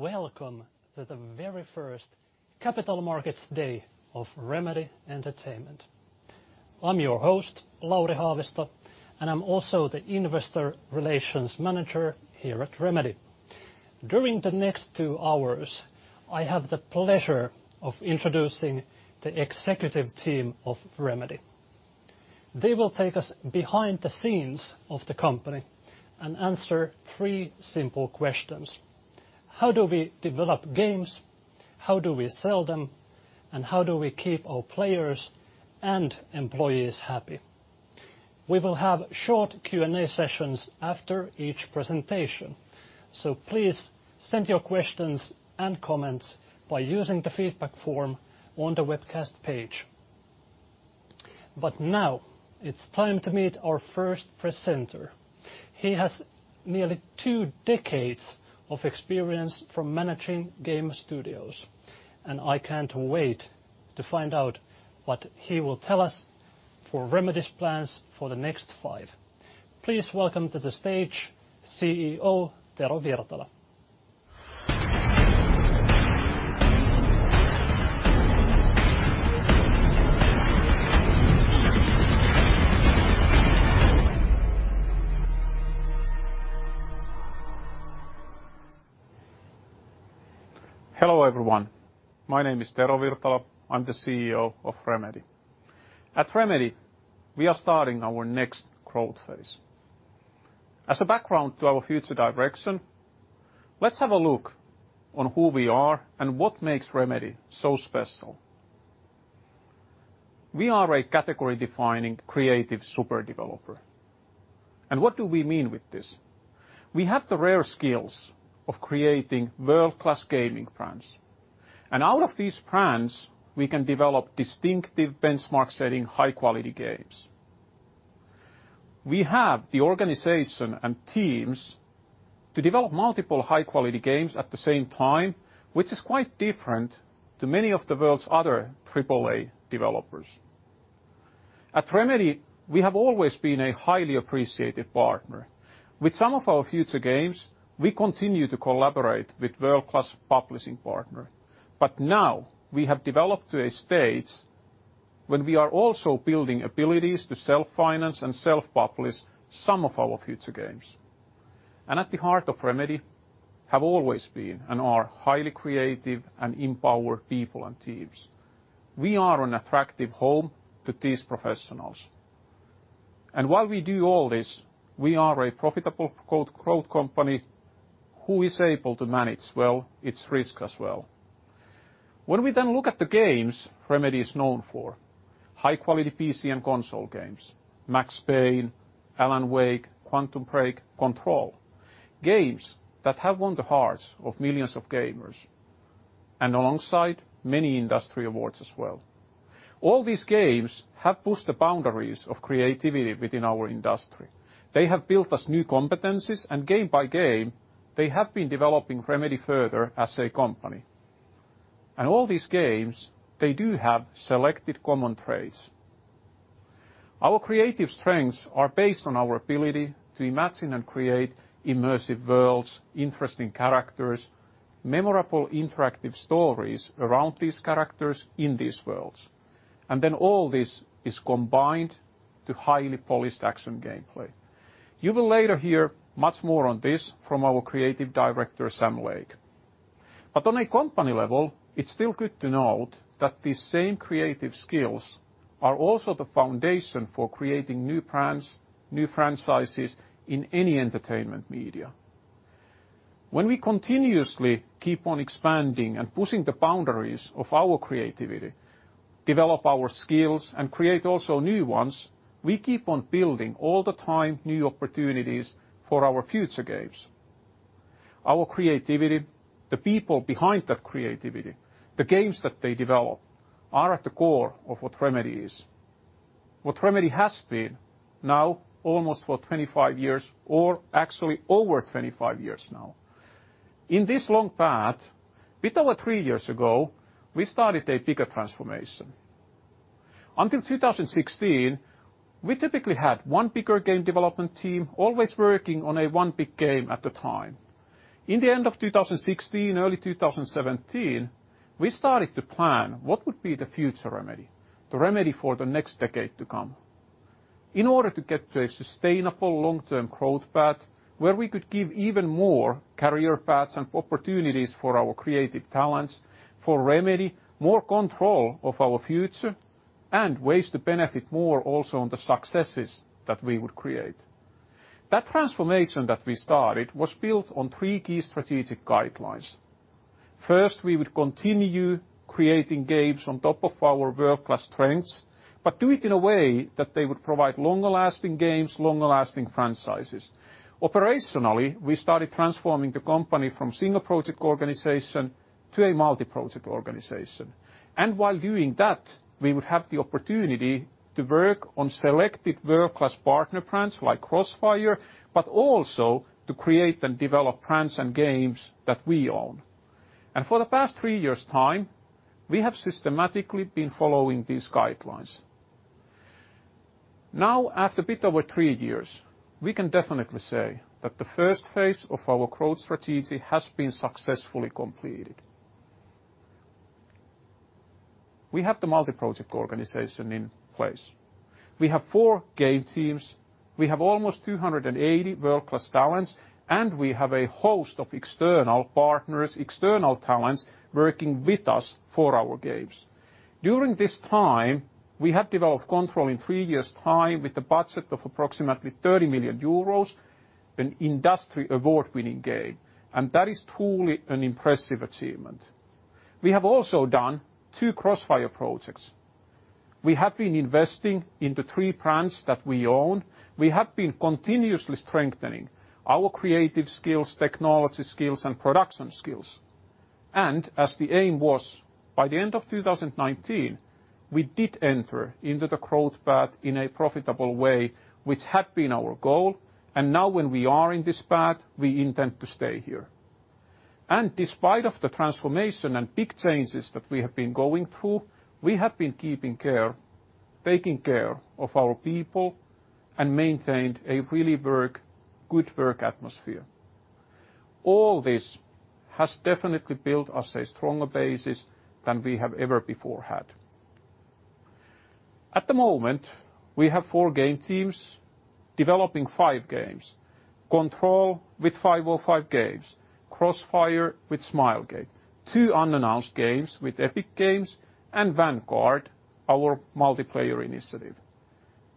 Welcome to the very first Capital Markets Day of Remedy Entertainment. I'm your host, Lauri Haavisto, and I'm also the Investor Relations Manager here at Remedy. During the next two hours, I have the pleasure of introducing the executive team of Remedy. They will take us behind the scenes of the company and answer three simple questions: How do we develop games? How do we sell them? How do we keep our players and employees happy? We will have short Q&A sessions after each presentation, so please send your questions and comments by using the feedback form on the webcast page. Now it's time to meet our first presenter. He has nearly two decades of experience from managing game studios, and I can't wait to find out what he will tell us for Remedy's plans for the next five. Please welcome to the stage CEO Tero Virtala. Hello everyone. My name is Tero Virtala. I'm the CEO of Remedy. At Remedy, we are starting our next growth phase. As a background to our future direction, let's have a look on who we are and what makes Remedy so special. We are a category-defining creative super developer. What do we mean with this? We have the rare skills of creating world-class gaming brands. Out of these brands, we can develop distinctive, benchmark-setting, high-quality games. We have the organization and teams to develop multiple high-quality games at the same time, which is quite different from many of the world's other AAA developers. At Remedy, we have always been a highly appreciated partner. With some of our future games, we continue to collaborate with world-class publishing partners. Now we have developed to a stage when we are also building abilities to self-finance and self-publish some of our future games. At the heart of Remedy have always been and are highly creative and empowered people and teams. We are an attractive home to these professionals. While we do all this, we are a profitable growth company who is able to manage well its risk as well. When we then look at the games Remedy is known for, high-quality PC and console games, Max Payne, Alan Wake, Quantum Break, Control, games that have won the hearts of millions of gamers and alongside many industry awards as well. All these games have pushed the boundaries of creativity within our industry. They have built us new competencies, and game by game, they have been developing Remedy further as a company. All these games, they do have selected common traits. Our creative strengths are based on our ability to imagine and create immersive worlds, interesting characters, memorable interactive stories around these characters in these worlds. All this is combined to highly polished action gameplay. You will later hear much more on this from our Creative Director, Sam Lake. On a company level, it's still good to note that these same creative skills are also the foundation for creating new brands, new franchises in any entertainment media. When we continuously keep on expanding and pushing the boundaries of our creativity, develop our skills, and create also new ones, we keep on building all the time new opportunities for our future games. Our creativity, the people behind that creativity, the games that they develop are at the core of what Remedy is. What Remedy has been now almost for 25 years, or actually over 25 years now. In this long path, about three years ago, we started a bigger transformation. Until 2016, we typically had one bigger game development team always working on a one big game at a time. In the end of 2016, early 2017, we started to plan what would be the future Remedy, the Remedy for the next decade to come. In order to get to a sustainable long-term growth path where we could give even more career paths and opportunities for our creative talents, for Remedy more control of our future and ways to benefit more also on the successes that we would create. That transformation that we started was built on three key strategic guidelines. First, we would continue creating games on top of our world-class strengths, but do it in a way that they would provide longer-lasting games, longer-lasting franchises. Operationally, we started transforming the company from a single project organization to a multi-project organization. While doing that, we would have the opportunity to work on selected world-class partner brands like Crossfire, but also to create and develop brands and games that we own. For the past three years' time, we have systematically been following these guidelines. Now, after a bit over three years, we can definitely say that the first phase of our growth strategy has been successfully completed. We have the multi-project organization in place. We have four game teams. We have almost 280 world-class talents, and we have a host of external partners, external talents working with us for our games. During this time, we have developed Control in three years' time with a budget of approximately 30 million euros, an industry award-winning game. That is truly an impressive achievement. We have also done two Crossfire projects. We have been investing into three brands that we own. We have been continuously strengthening our creative skills, technology skills, and production skills. As the aim was by the end of 2019, we did enter into the growth path in a profitable way, which had been our goal. Now when we are in this path, we intend to stay here. Despite the transformation and big changes that we have been going through, we have been taking care of our people and maintained a really good work atmosphere. All this has definitely built us a stronger basis than we have ever before had. At the moment, we have four game teams developing five games, Control with five or five games, Crossfire with Smilegate, two unannounced games with Epic Games, and Vanguard, our multiplayer initiative.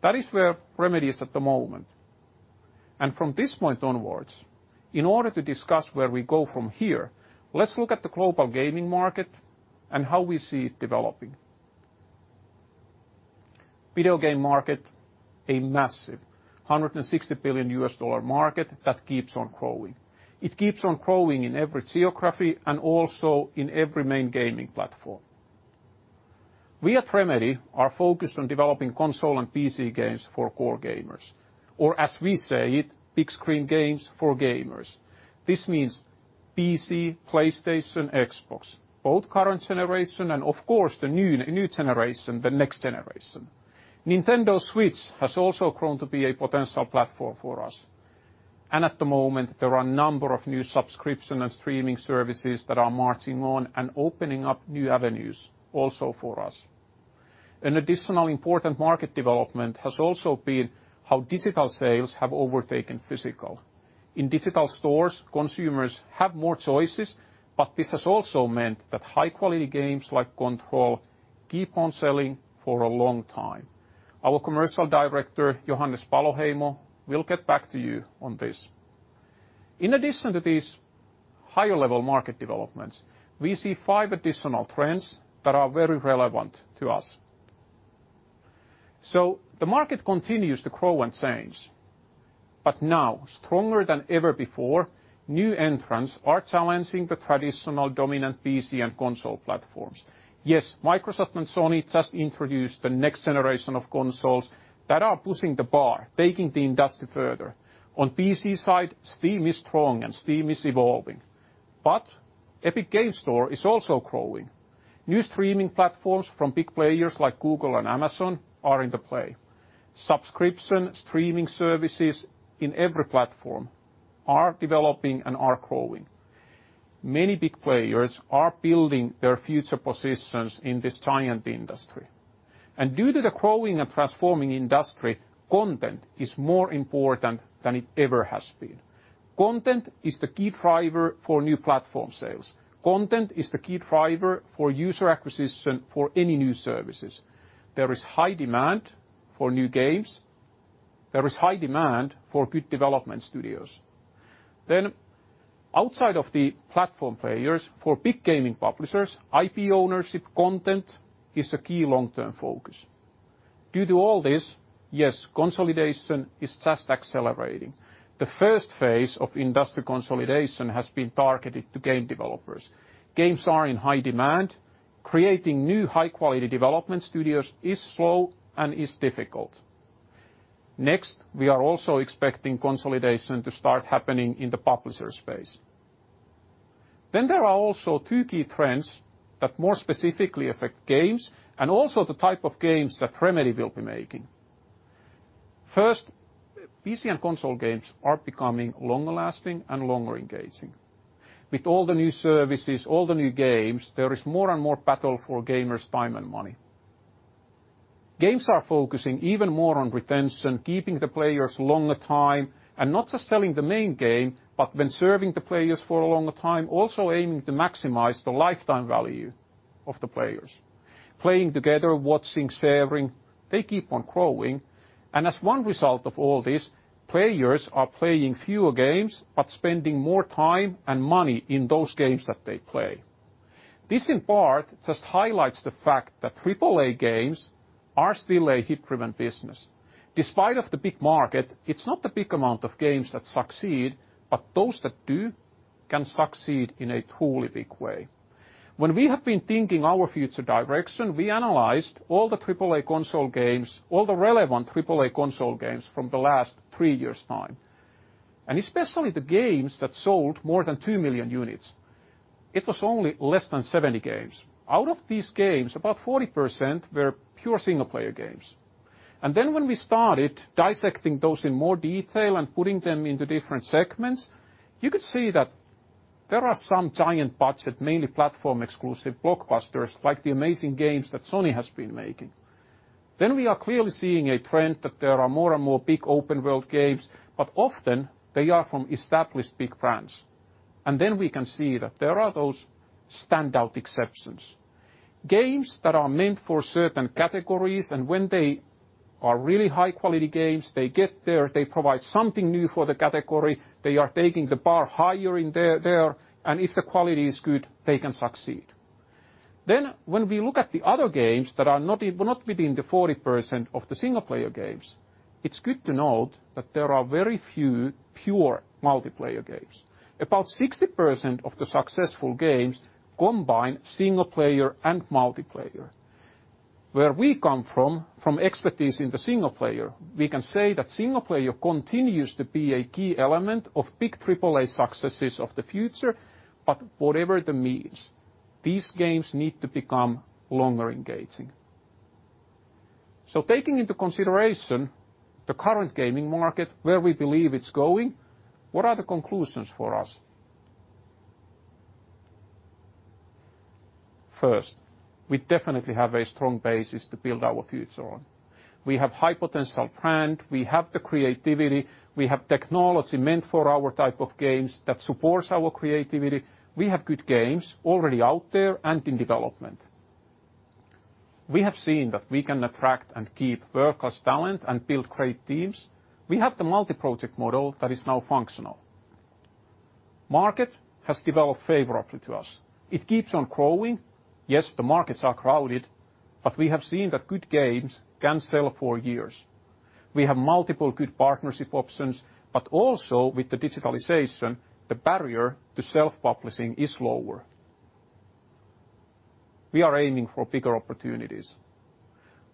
That is where Remedy is at the moment. From this point onwards, in order to discuss where we go from here, let's look at the global gaming market and how we see it developing. Video game market, a massive $160 billion market that keeps on growing. It keeps on growing in every geography and also in every main gaming platform. We at Remedy are focused on developing console and PC games for core gamers, or as we say it, big screen games for gamers. This means PC, PlayStation, Xbox, both current generation and of course the new generation, the next generation. Nintendo Switch has also grown to be a potential platform for us. At the moment, there are a number of new subscription and streaming services that are marching on and opening up new avenues also for us. An additional important market development has also been how digital sales have overtaken physical. In digital stores, consumers have more choices, but this has also meant that high-quality games like Control keep on selling for a long time. Our Commercial Director, Johannes Paloheimo, will get back to you on this. In addition to these higher-level market developments, we see five additional trends that are very relevant to us. The market continues to grow and change. Now, stronger than ever before, new entrants are challenging the traditional dominant PC and console platforms. Yes, Microsoft and Sony just introduced the next generation of consoles that are pushing the bar, taking the industry further. On the PC side, Steam is strong and Steam is evolving. Epic Games Store is also growing. New streaming platforms from big players like Google and Amazon are in the play. Subscription streaming services in every platform are developing and are growing. Many big players are building their future positions in this giant industry. Due to the growing and transforming industry, content is more important than it ever has been. Content is the key driver for new platform sales. Content is the key driver for user acquisition for any new services. There is high demand for new games. There is high demand for good development studios. Outside of the platform players, for big gaming publishers, IP ownership, content is a key long-term focus. Due to all this, yes, consolidation is just accelerating. The first phase of industry consolidation has been targeted to game developers. Games are in high demand. Creating new high-quality development studios is slow and is difficult. Next, we are also expecting consolidation to start happening in the publisher space. There are also two key trends that more specifically affect games and also the type of games that Remedy will be making. First, PC and console games are becoming longer-lasting and longer engaging. With all the new services, all the new games, there is more and more battle for gamers' time and money. Games are focusing even more on retention, keeping the players longer time, and not just selling the main game, but when serving the players for a longer time, also aiming to maximize the lifetime value of the players. Playing together, watching, sharing, they keep on growing. As one result of all this, players are playing fewer games but spending more time and money in those games that they play. This in part just highlights the fact that AAA games are still a hit-driven business. Despite the big market, it's not the big amount of games that succeed, but those that do can succeed in a truly big way. When we have been thinking our future direction, we analyzed all the AAA console games, all the relevant AAA console games from the last three years' time. Especially the games that sold more than 2 million units, it was only less than 70 games. Out of these games, about 40% were pure single-player games. When we started dissecting those in more detail and putting them into different segments, you could see that there are some giant budgets, mainly platform exclusive blockbusters like the amazing games that Sony has been making. We are clearly seeing a trend that there are more and more big open-world games, but often they are from established big brands. We can see that there are those standout exceptions. Games that are meant for certain categories, and when they are really high-quality games, they get there, they provide something new for the category, they are taking the bar higher in there, and if the quality is good, they can succeed. When we look at the other games that are not within the 40% of the single-player games, it's good to note that there are very few pure multiplayer games. About 60% of the successful games combine single-player and multiplayer. Where we come from, from expertise in the single-player, we can say that single-player continues to be a key element of big AAA successes of the future, but whatever that means, these games need to become longer engaging. Taking into consideration the current gaming market, where we believe it's going, what are the conclusions for us? First, we definitely have a strong basis to build our future on. We have high potential brand, we have the creativity, we have technology meant for our type of games that supports our creativity. We have good games already out there and in development. We have seen that we can attract and keep world-class talent and build great teams. We have the multi-project model that is now functional. Market has developed favorably to us. It keeps on growing. Yes, the markets are crowded, but we have seen that good games can sell for years. We have multiple good partnership options, but also with the digitalization, the barrier to self-publishing is lower. We are aiming for bigger opportunities.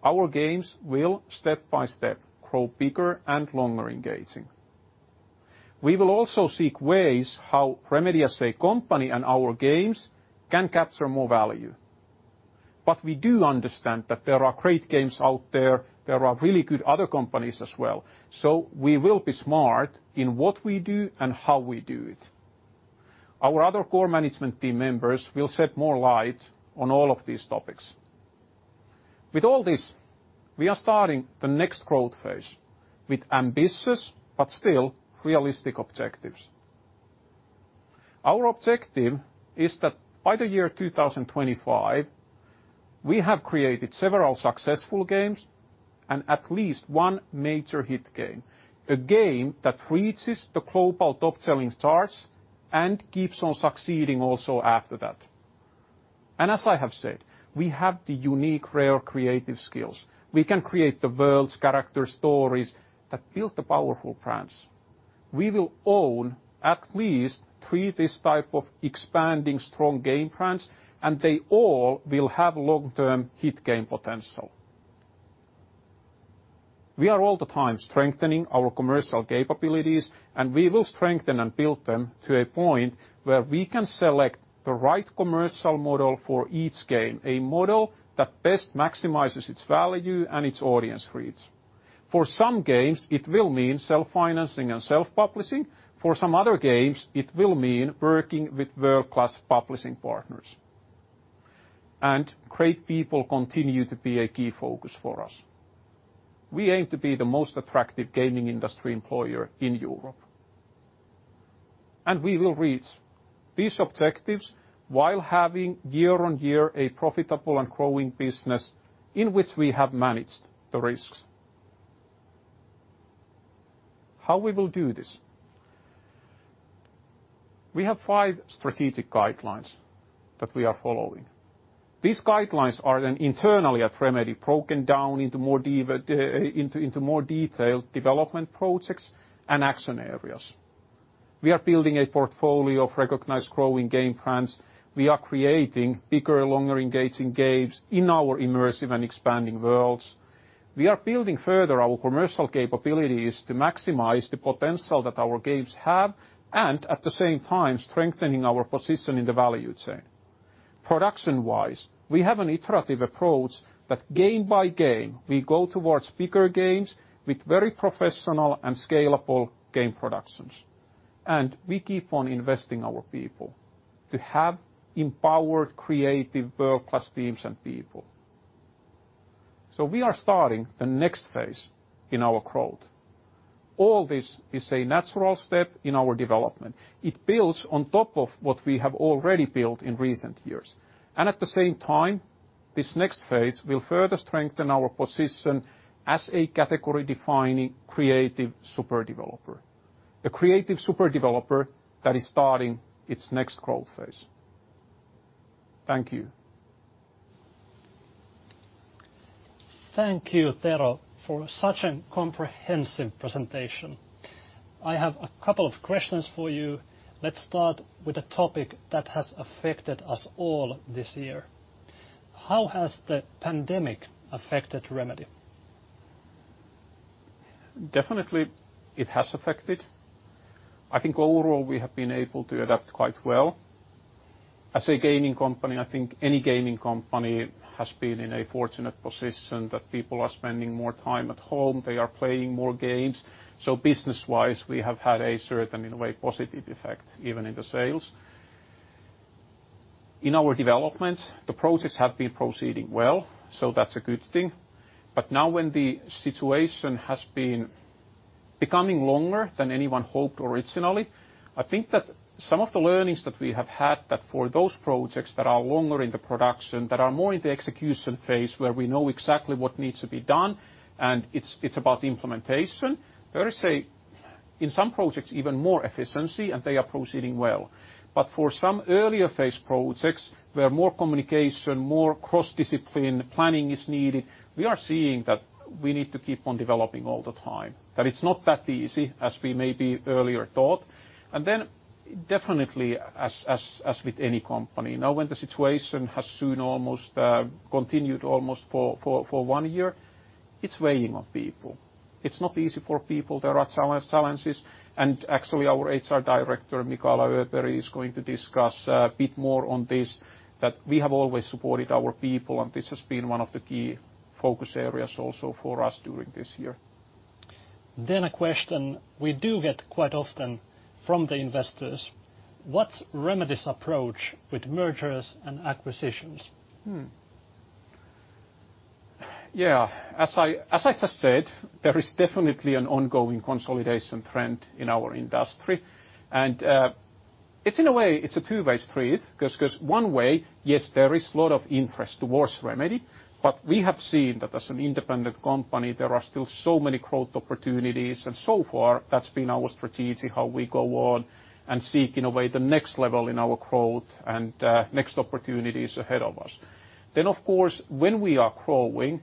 Our games will step by step grow bigger and longer engaging. We will also seek ways how Remedy as a company and our games can capture more value. We do understand that there are great games out there. There are really good other companies as well. We will be smart in what we do and how we do it. Our other core management team members will shed more light on all of these topics. With all this, we are starting the next growth phase with ambitious but still realistic objectives. Our objective is that by the year 2025, we have created several successful games and at least one major hit game, a game that reaches the global top-selling charts and keeps on succeeding also after that. As I have said, we have the unique rare creative skills. We can create the world's character stories that build the powerful brands. We will own at least three of these type of expanding strong game brands, and they all will have long-term hit game potential. We are all the time strengthening our commercial capabilities, and we will strengthen and build them to a point where we can select the right commercial model for each game, a model that best maximizes its value and its audience reach. For some games, it will mean self-financing and self-publishing. For some other games, it will mean working with world-class publishing partners. Great people continue to be a key focus for us. We aim to be the most attractive gaming industry employer in Europe. We will reach these objectives while having year- on-year a profitable and growing business in which we have managed the risks. How will we do this? We have five strategic guidelines that we are following. These guidelines are then internally at Remedy broken down into more detailed development projects and action areas. We are building a portfolio of recognized growing game brands. We are creating bigger, longer engaging games in our immersive and expanding worlds. We are building further our commercial capabilities to maximize the potential that our games have and at the same time strengthening our position in the value chain. Production-wise, we have an iterative approach that game by game we go towards bigger games with very professional and scalable game productions. We keep on investing our people to have empowered creative world-class teams and people. We are starting the next phase in our growth. All this is a natural step in our development. It builds on top of what we have already built in recent years. At the same time, this next phase will further strengthen our position as a category-defining creative super developer, a creative super developer that is starting its next growth phase. Thank you. Thank you, Tero, for such a comprehensive presentation. I have a couple of questions for you. Let's start with a topic that has affected us all this year. How has the pandemic affected Remedy? Definitely, it has affected. I think overall we have been able to adapt quite well. As a gaming company, I think any gaming company has been in a fortunate position that people are spending more time at home, they are playing more games. Business-wise, we have had a certain, in a way, positive effect even in the sales. In our development, the projects have been proceeding well, so that's a good thing. Now when the situation has been becoming longer than anyone hoped originally, I think that some of the learnings that we have had that for those projects that are longer in the production, that are more in the execution phase where we know exactly what needs to be done and it's about implementation, there is in some projects even more efficiency and they are proceeding well. For some earlier phase projects where more communication, more cross-discipline planning is needed, we are seeing that we need to keep on developing all the time, that it is not that easy as we maybe earlier thought. Definitely, as with any company, now when the situation has soon almost continued almost for one year, it is weighing on people. It is not easy for people. There are challenges. Actually, our HR Director, Mikaela Öberg, is going to discuss a bit more on this, that we have always supported our people and this has been one of the key focus areas also for us during this year. A question we do get quite often from the investors: What is Remedy's approach with mergers and acquisitions? As I just said, there is definitely an ongoing consolidation trend in our industry. In a way, it's a two-way street because one way, yes, there is a lot of interest towards Remedy, but we have seen that as an independent company, there are still so many growth opportunities. So far, that's been our strategy, how we go on and seek in a way the next level in our growth and next opportunities ahead of us. Of course, when we are growing,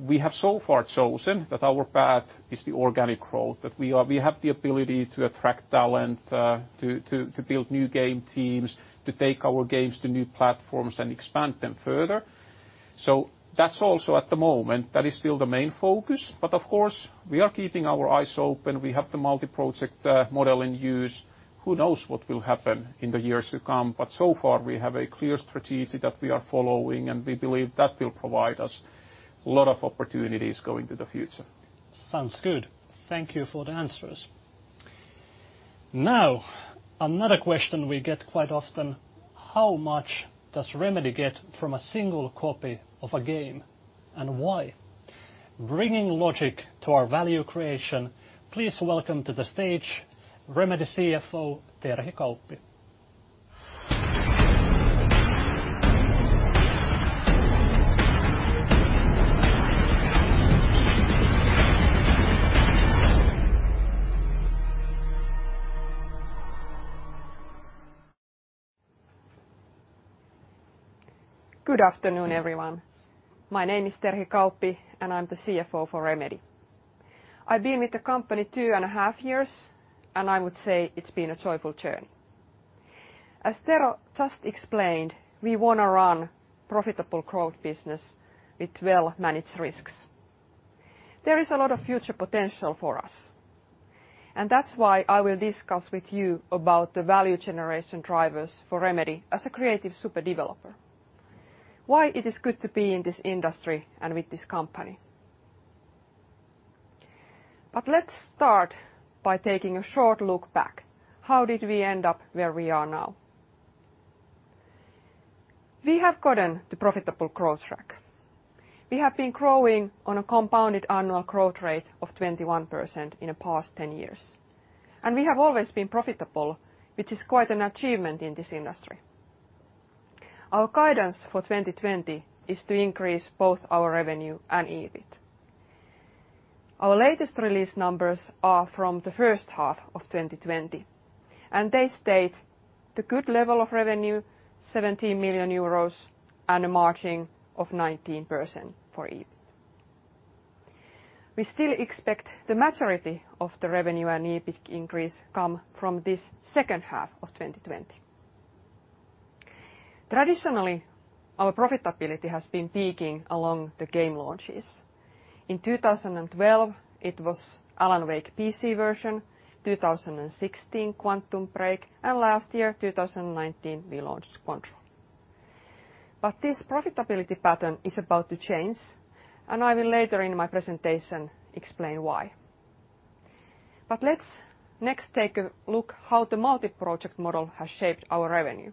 we have so far chosen that our path is the organic growth, that we have the ability to attract talent, to build new game teams, to take our games to new platforms and expand them further. That is also at the moment still the main focus. Of course, we are keeping our eyes open. We have the multi-project model in use. Who knows what will happen in the years to come? So far, we have a clear strategy that we are following and we believe that will provide us a lot of opportunities going to the future. Sounds good. Thank you for the answers. Now, another question we get quite often. How much does Remedy get from a single copy of a game and why? Bringing logic to our value creation, please welcome to the stage Remedy CFO, Terhi Kauppi. Good afternoon, everyone. My name is Terhi Kauppi and I'm the CFO for Remedy. I've been with the company two and a half years and I would say it's been a joyful journey. As Tero just explained, we want to run a profitable growth business with well-managed risks. There is a lot of future potential for us. That is why I will discuss with you about the value generation drivers for Remedy as a creative super developer, why it is good to be in this industry and with this company. Let us start by taking a short look back. How did we end up where we are now? We have gotten the profitable growth track. We have been growing on a compounded annual growth rate of 21% in the past 10 years. We have always been profitable, which is quite an achievement in this industry. Our guidance for 2020 is to increase both our revenue and EBIT. Our latest release numbers are from the first half of 2020. They state the good level of revenue, 17 million euros, and a margin of 19% for EBIT. We still expect the majority of the revenue and EBIT increase to come from this second half of 2020. Traditionally, our profitability has been peaking along the game launches. In 2012, it was Alan Wake PC version, 2016 Quantum Break, and last year, 2019, we launched Control. This profitability pattern is about to change, and I will later in my presentation explain why. Next, take a look at how the multi-project model has shaped our revenue.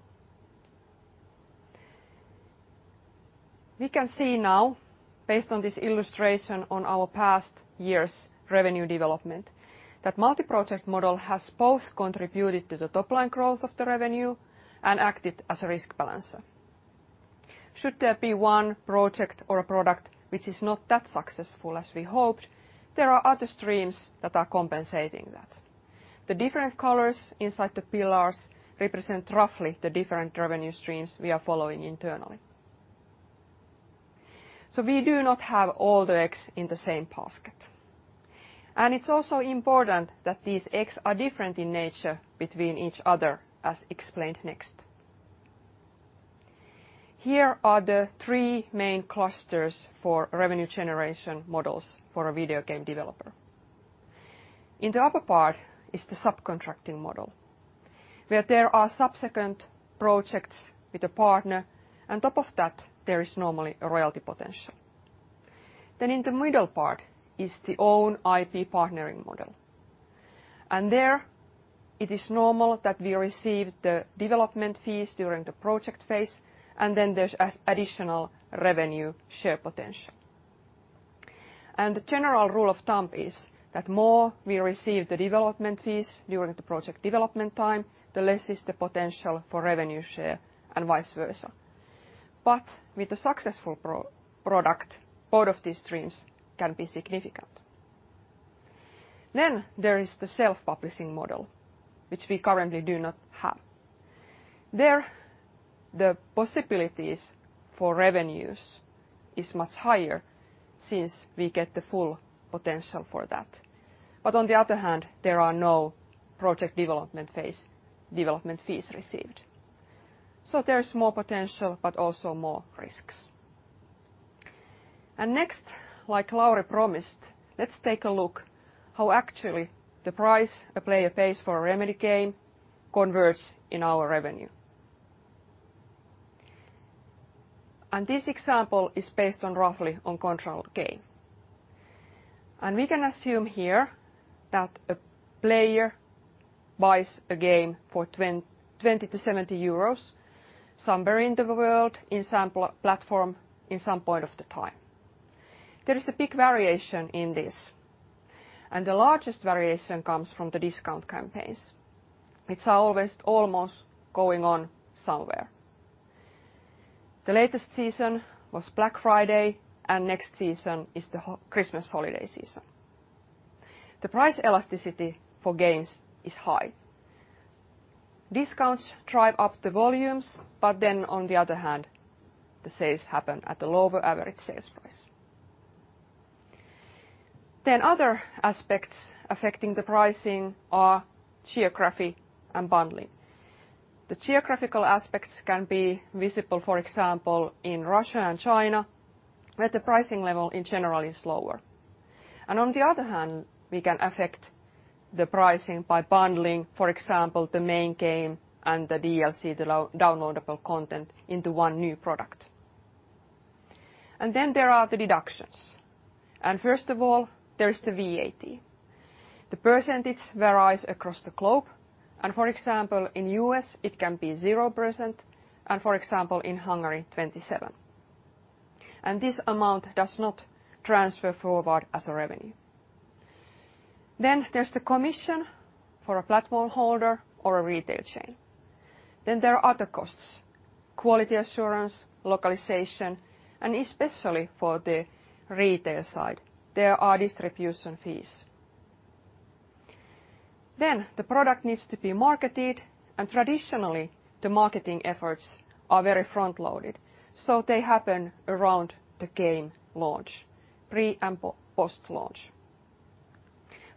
We can see now, based on this illustration on our past year's revenue development, that the multi-project model has both contributed to the top-line growth of the revenue and acted as a risk balancer. Should there be one project or a product which is not that successful as we hoped, there are other streams that are compensating that. The different colors inside the pillars represent roughly the different revenue streams we are following internally. We do not have all the eggs in the same basket. It is also important that these eggs are different in nature between each other, as explained next. Here are the three main clusters for revenue generation models for a video game developer. In the upper part is the subcontracting model, where there are subsequent projects with a partner, and on top of that, there is normally a royalty potential. In the middle part is the own IP partnering model. There it is normal that we receive the development fees during the project phase, and then there is additional revenue share potential. The general rule of thumb is that the more we receive the development fees during the project development time, the less is the potential for revenue share and vice versa. With a successful product, both of these streams can be significant. There is the self-publishing model, which we currently do not have. There the possibilities for revenues are much higher since we get the full potential for that. On the other hand, there are no project development phase development fees received. There is more potential, but also more risks. Next, like Lauri promised, let's take a look at how actually the price a player pays for a Remedy game converts in our revenue. This example is based roughly on Control game. We can assume here that a player buys a game for 20-70 euros somewhere in the world, in some platform, in some point of the time. There is a big variation in this. The largest variation comes from the discount campaigns. It's always almost going on somewhere. The latest season was Black Friday, and next season is the Christmas holiday season. The price elasticity for games is high. Discounts drive up the volumes, but on the other hand, the sales happen at a lower average sales price. Other aspects affecting the pricing are geography and bundling. The geographical aspects can be visible, for example, in Russia and China, where the pricing level in general is lower. On the other hand, we can affect the pricing by bundling, for example, the main game and the DLC, the downloadable content, into one new product. There are the deductions. First of all, there is the VAT. The percentage varies across the globe. For example, in the U.S., it can be 0%, and for example, in Hungary, 27%. This amount does not transfer forward as a revenue. There is the commission for a platform holder or a retail chain. There are other costs: quality assurance, localization, and especially for the retail side, there are distribution fees. The product needs to be marketed, and traditionally, the marketing efforts are very front-loaded, so they happen around the game launch, pre and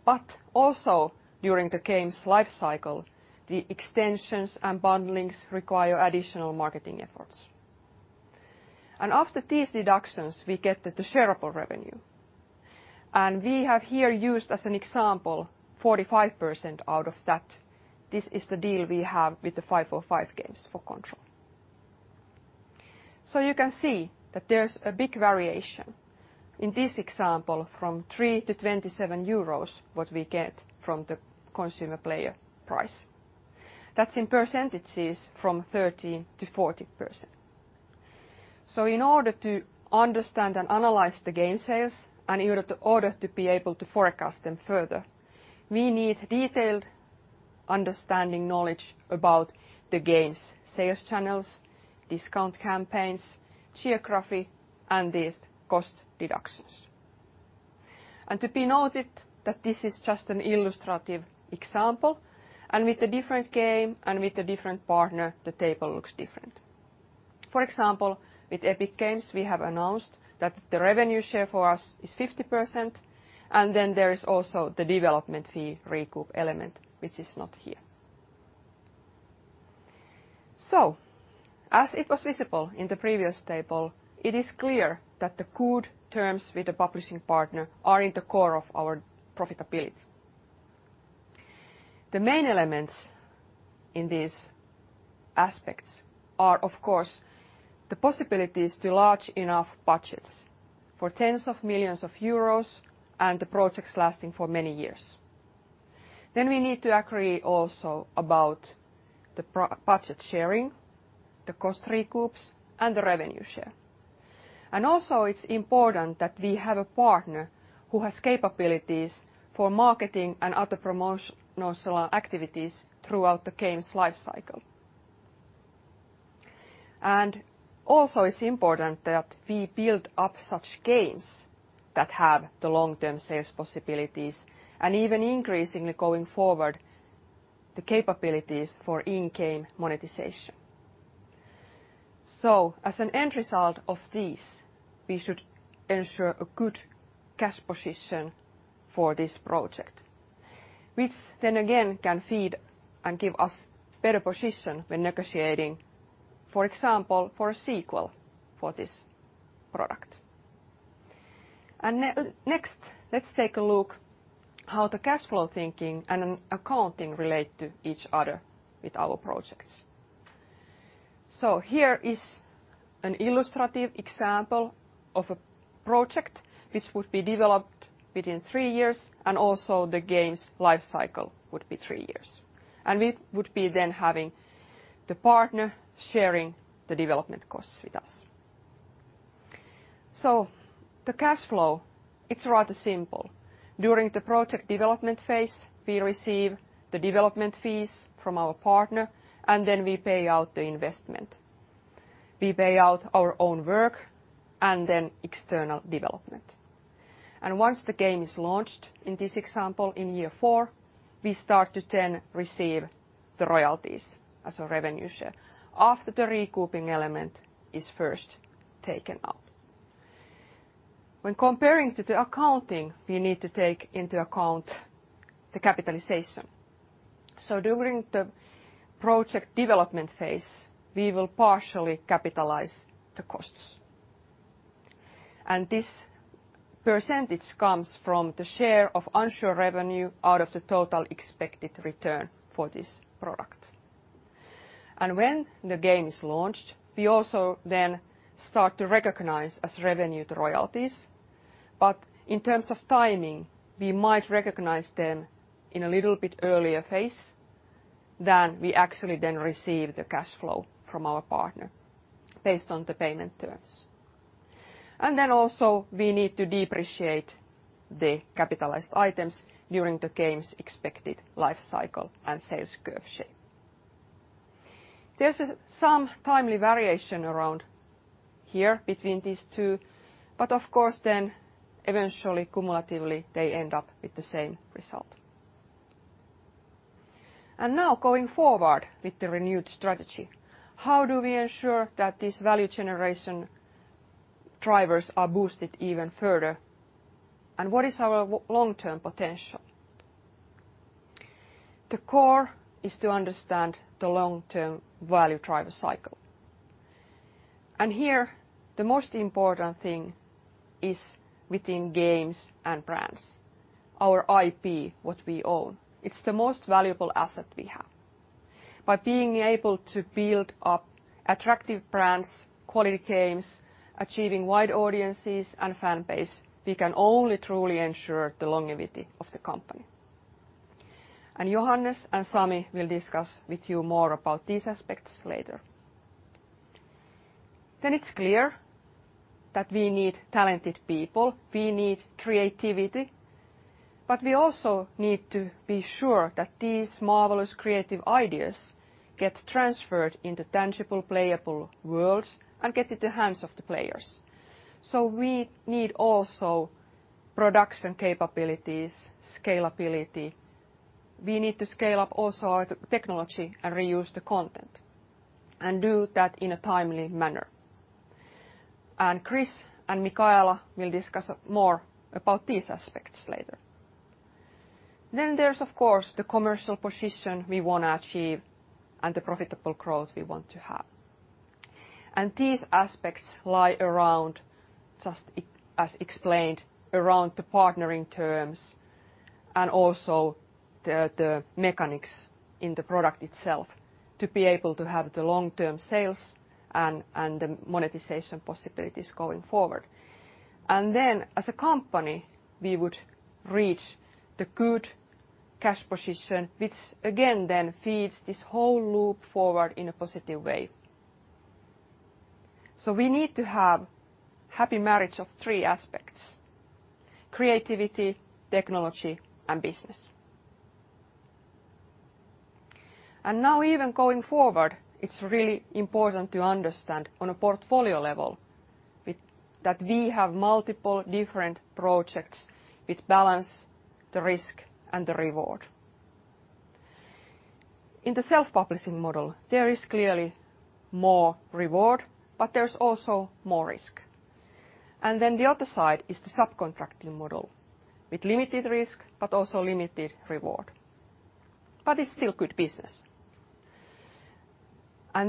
post-launch. Also during the game's lifecycle, the extensions and bundlings require additional marketing efforts. After these deductions, we get the shareable revenue. We have here used as an example 45% out of that. This is the deal we have with 505 Games for Control. You can see that there's a big variation in this example from 3-27 euros what we get from the consumer player price. That's in percentages from 30%-40%. In order to understand and analyze the game sales, and in order to be able to forecast them further, we need detailed understanding knowledge about the game's sales channels, discount campaigns, geography, and these cost deductions. To be noted that this is just an illustrative example, and with the different game and with the different partner, the table looks different. For example, with Epic Games, we have announced that the revenue share for us is 50%, and then there is also the development fee recoup element, which is not here. As it was visible in the previous table, it is clear that the good terms with the publishing partner are in the core of our profitability. The main elements in these aspects are, of course, the possibilities to large enough budgets for tens of millions of EUR and the projects lasting for many years. We need to agree also about the budget sharing, the cost recoups, and the revenue share. It is important that we have a partner who has capabilities for marketing and other promotional activities throughout the game's lifecycle. It is important that we build up such games that have the long-term sales possibilities, and even increasingly going forward, the capabilities for in-game monetization. As an end result of these, we should ensure a good cash position for this project, which then again can feed and give us better position when negotiating, for example, for a sequel for this product. Next, let's take a look at how the cash flow thinking and accounting relate to each other with our projects. Here is an illustrative example of a project which would be developed within three years, and also the game's lifecycle would be three years. We would be then having the partner sharing the development costs with us. The cash flow, it's rather simple. During the project development phase, we receive the development fees from our partner, and then we pay out the investment. We pay out our own work and then external development. Once the game is launched, in this example, in year four, we start to then receive the royalties as a revenue share after the recouping element is first taken out. When comparing to the accounting, we need to take into account the capitalization. During the project development phase, we will partially capitalize the costs. This percentage comes from the share of unsure revenue out of the total expected return for this product. When the game is launched, we also then start to recognize as revenue the royalties. In terms of timing, we might recognize them in a little bit earlier phase than we actually then receive the cash flow from our partner based on the payment terms. We need to depreciate the capitalized items during the game's expected lifecycle and sales curve shape. There is some timely variation around here between these two, but of course, eventually, cumulatively, they end up with the same result. Now, going forward with the renewed strategy, how do we ensure that these value generation drivers are boosted even further? What is our long-term potential? The core is to understand the long-term value driver cycle. Here, the most important thing is within games and brands. Our IP, what we own, is the most valuable asset we have. By being able to build up attractive brands, quality games, achieving wide audiences and fanbase, we can only truly ensure the longevity of the company. Johannes and Sami will discuss with you more about these aspects later. It is clear that we need talented people, we need creativity, but we also need to be sure that these marvelous creative ideas get transferred into tangible, playable worlds and get into the hands of the players. We need also production capabilities, scalability. We need to scale up also our technology and reuse the content and do that in a timely manner. Chris and Mikaela will discuss more about these aspects later. There is, of course, the commercial position we want to achieve and the profitable growth we want to have. These aspects lie around, just as explained, around the partnering terms and also the mechanics in the product itself to be able to have the long-term sales and the monetization possibilities going forward. As a company, we would reach the good cash position, which again then feeds this whole loop forward in a positive way. We need to have a happy marriage of three aspects: creativity, technology, and business. Even going forward, it's really important to understand on a portfolio level that we have multiple different projects which balance the risk and the reward. In the self-publishing model, there is clearly more reward, but there's also more risk. The other side is the subcontracting model with limited risk, but also limited reward. It's still good business.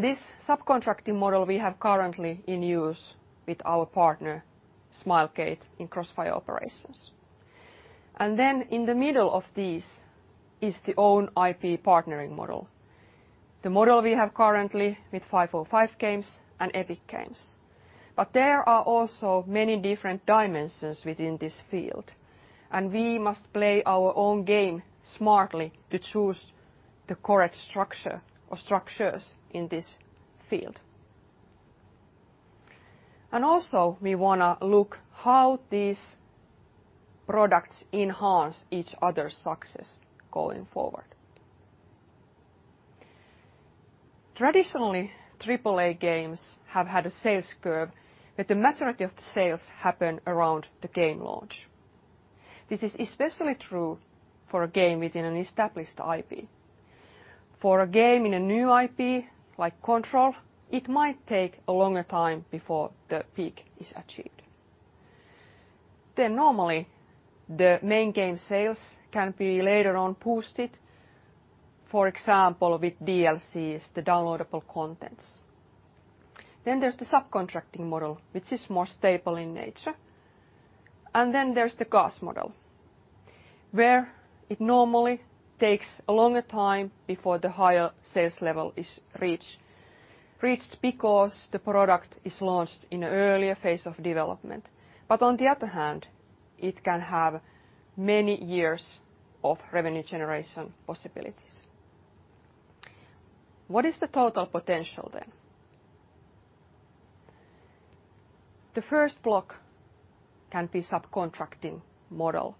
This subcontracting model we have currently in use with our partner, Smilegate, in Crossfire operations. In the middle of these is the own IP partnering model, the model we have currently with 505 Games and Epic Games. There are also many different dimensions within this field, and we must play our own game smartly to choose the correct structure or structures in this field. We also want to look at how these products enhance each other's success going forward. Traditionally, AAA games have had a sales curve, but the majority of the sales happen around the game launch. This is especially true for a game within an established IP. For a game in a new IP, like Control, it might take a longer time before the peak is achieved. Normally, the main game sales can be later on boosted, for example, with DLCs, the downloadable contents. There is the subcontracting model, which is more stable in nature. There is the cost model, where it normally takes a longer time before the higher sales level is reached because the product is launched in an earlier phase of development. On the other hand, it can have many years of revenue generation possibilities. What is the total potential then? The first block can be subcontracting model.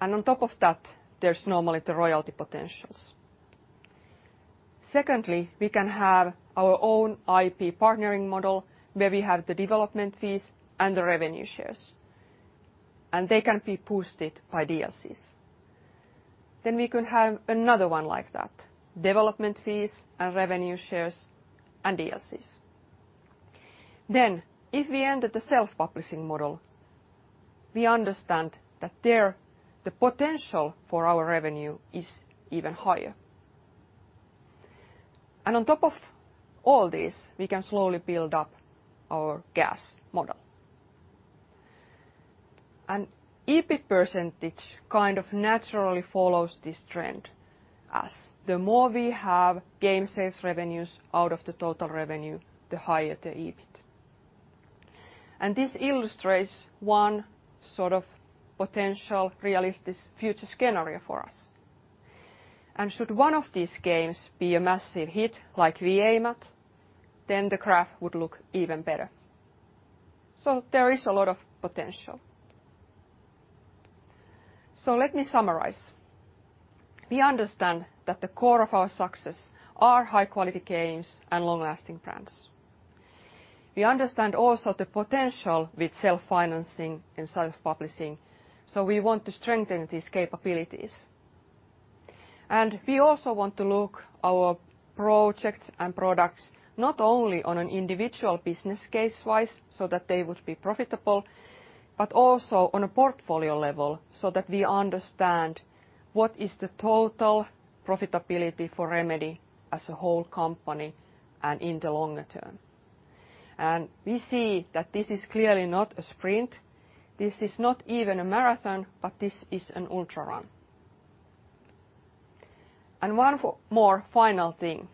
On top of that, there is normally the royalty potentials. Secondly, we can have our own IP partnering model, where we have the development fees and the revenue shares, and they can be boosted by DLCs. We could have another one like that: development fees and revenue shares and DLCs. If we end at the self-publishing model, we understand that there the potential for our revenue is even higher. On top of all these, we can slowly build up our GaaS model. EBIT percentage kind of naturally follows this trend, as the more we have game sales revenues out of the total revenue, the higher the EBIT. This illustrates one sort of potential realistic future scenario for us. Should one of these games be a massive hit like Control, then the graph would look even better. There is a lot of potential. Let me summarize. We understand that the core of our success are high-quality games and long-lasting brands. We understand also the potential with self-financing and self-publishing, so we want to strengthen these capabilities. We also want to look at our projects and products not only on an individual business case-wise so that they would be profitable, but also on a portfolio level so that we understand what is the total profitability for Remedy as a whole company and in the longer term. We see that this is clearly not a sprint. This is not even a marathon, but this is an ultra run. One more final thing.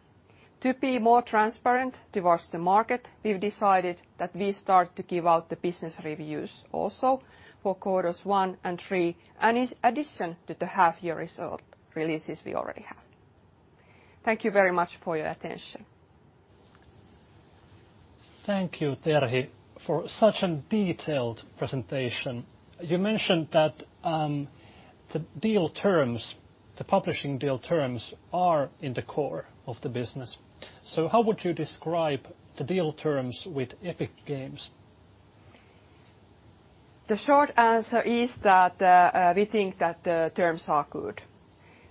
To be more transparent towards the market, we have decided that we start to give out the business reviews also for quarters one and three, in addition to the half-year result releases we already have. Thank you very much for your attention. Thank you, Terhi, for such a detailed presentation. You mentioned that the deal terms, the publishing deal terms, are in the core of the business. How would you describe the deal terms with Epic Games? The short answer is that we think that the terms are good.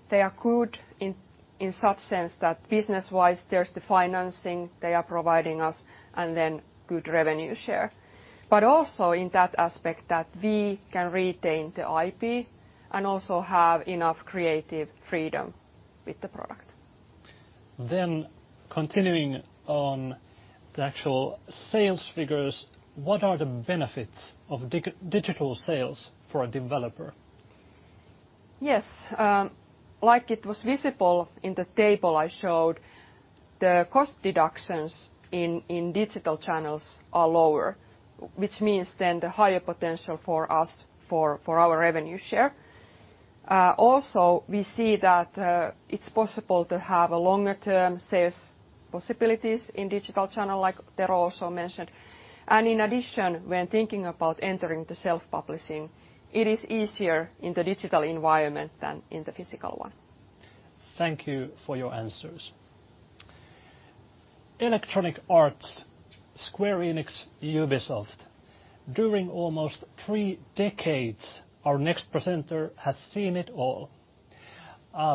They are good in such a sense that business-wise there's the financing they are providing us and then good revenue share. Also in that aspect that we can retain the IP and also have enough creative freedom with the product. Continuing on the actual sales figures, what are the benefits of digital sales for a developer? Yes. Like it was visible in the table I showed, the cost deductions in digital channels are lower, which means the higher potential for us for our revenue share. Also, we see that it's possible to have longer-term sales possibilities in digital channels, like Tero also mentioned. In addition, when thinking about entering the self-publishing, it is easier in the digital environment than in the physical one. Thank you for your answers. Electronic Arts, Square Enix, Ubisoft. During almost three decades, our next presenter has seen it all.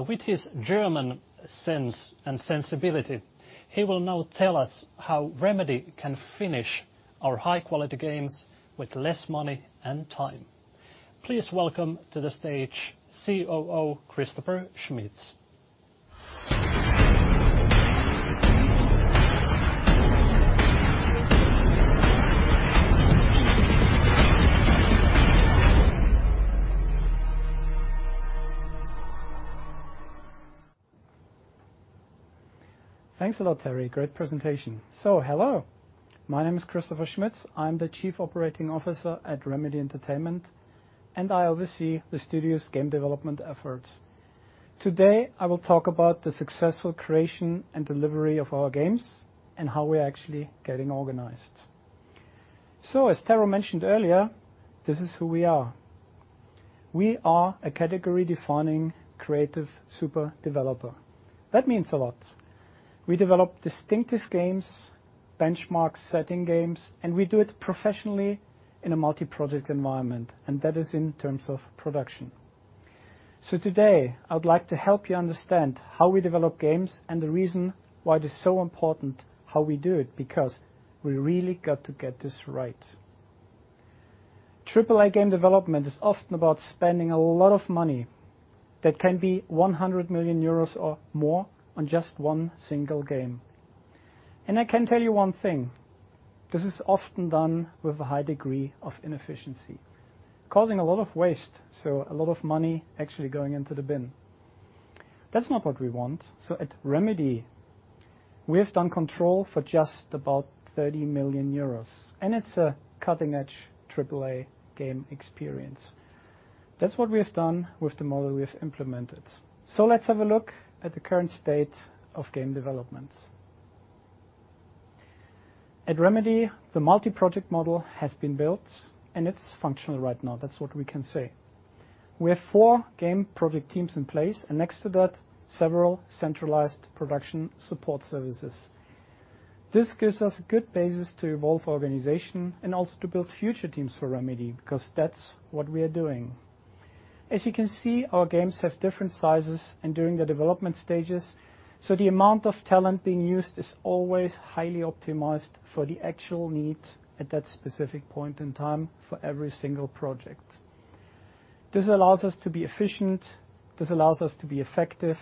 With his German sense and sensibility, he will now tell us how Remedy can finish our high-quality games with less money and time. Please welcome to the stage COO Christopher Schmitz. Thanks a lot, Terhi. Great presentation. Hello. My name is Christopher Schmitz. I'm the Chief Operating Officer at Remedy Entertainment, and I oversee the studio's game development efforts. Today, I will talk about the successful creation and delivery of our games and how we are actually getting organized. As Tero mentioned earlier, this is who we are. We are a category-defining creative super developer. That means a lot. We develop distinctive games, benchmark setting games, and we do it professionally in a multi-project environment, and that is in terms of production. Today, I would like to help you understand how we develop games and the reason why it is so important how we do it, because we really got to get this right. AAA game development is often about spending a lot of money that can be 100 million euros or more on just one single game. I can tell you one thing: this is often done with a high degree of inefficiency, causing a lot of waste, so a lot of money actually going into the bin. That's not what we want. At Remedy, we have done Control for just about 30 million euros, and it's a cutting-edge AAA game experience. That's what we have done with the model we have implemented. Let's have a look at the current state of game development. At Remedy, the multi-project model has been built, and it's functional right now. That's what we can say. We have four game project teams in place, and next to that, several centralized production support services. This gives us a good basis to evolve our organization and also to build future teams for Remedy, because that's what we are doing. As you can see, our games have different sizes and during the development stages, so the amount of talent being used is always highly optimized for the actual need at that specific point in time for every single project. This allows us to be efficient. This allows us to be effective,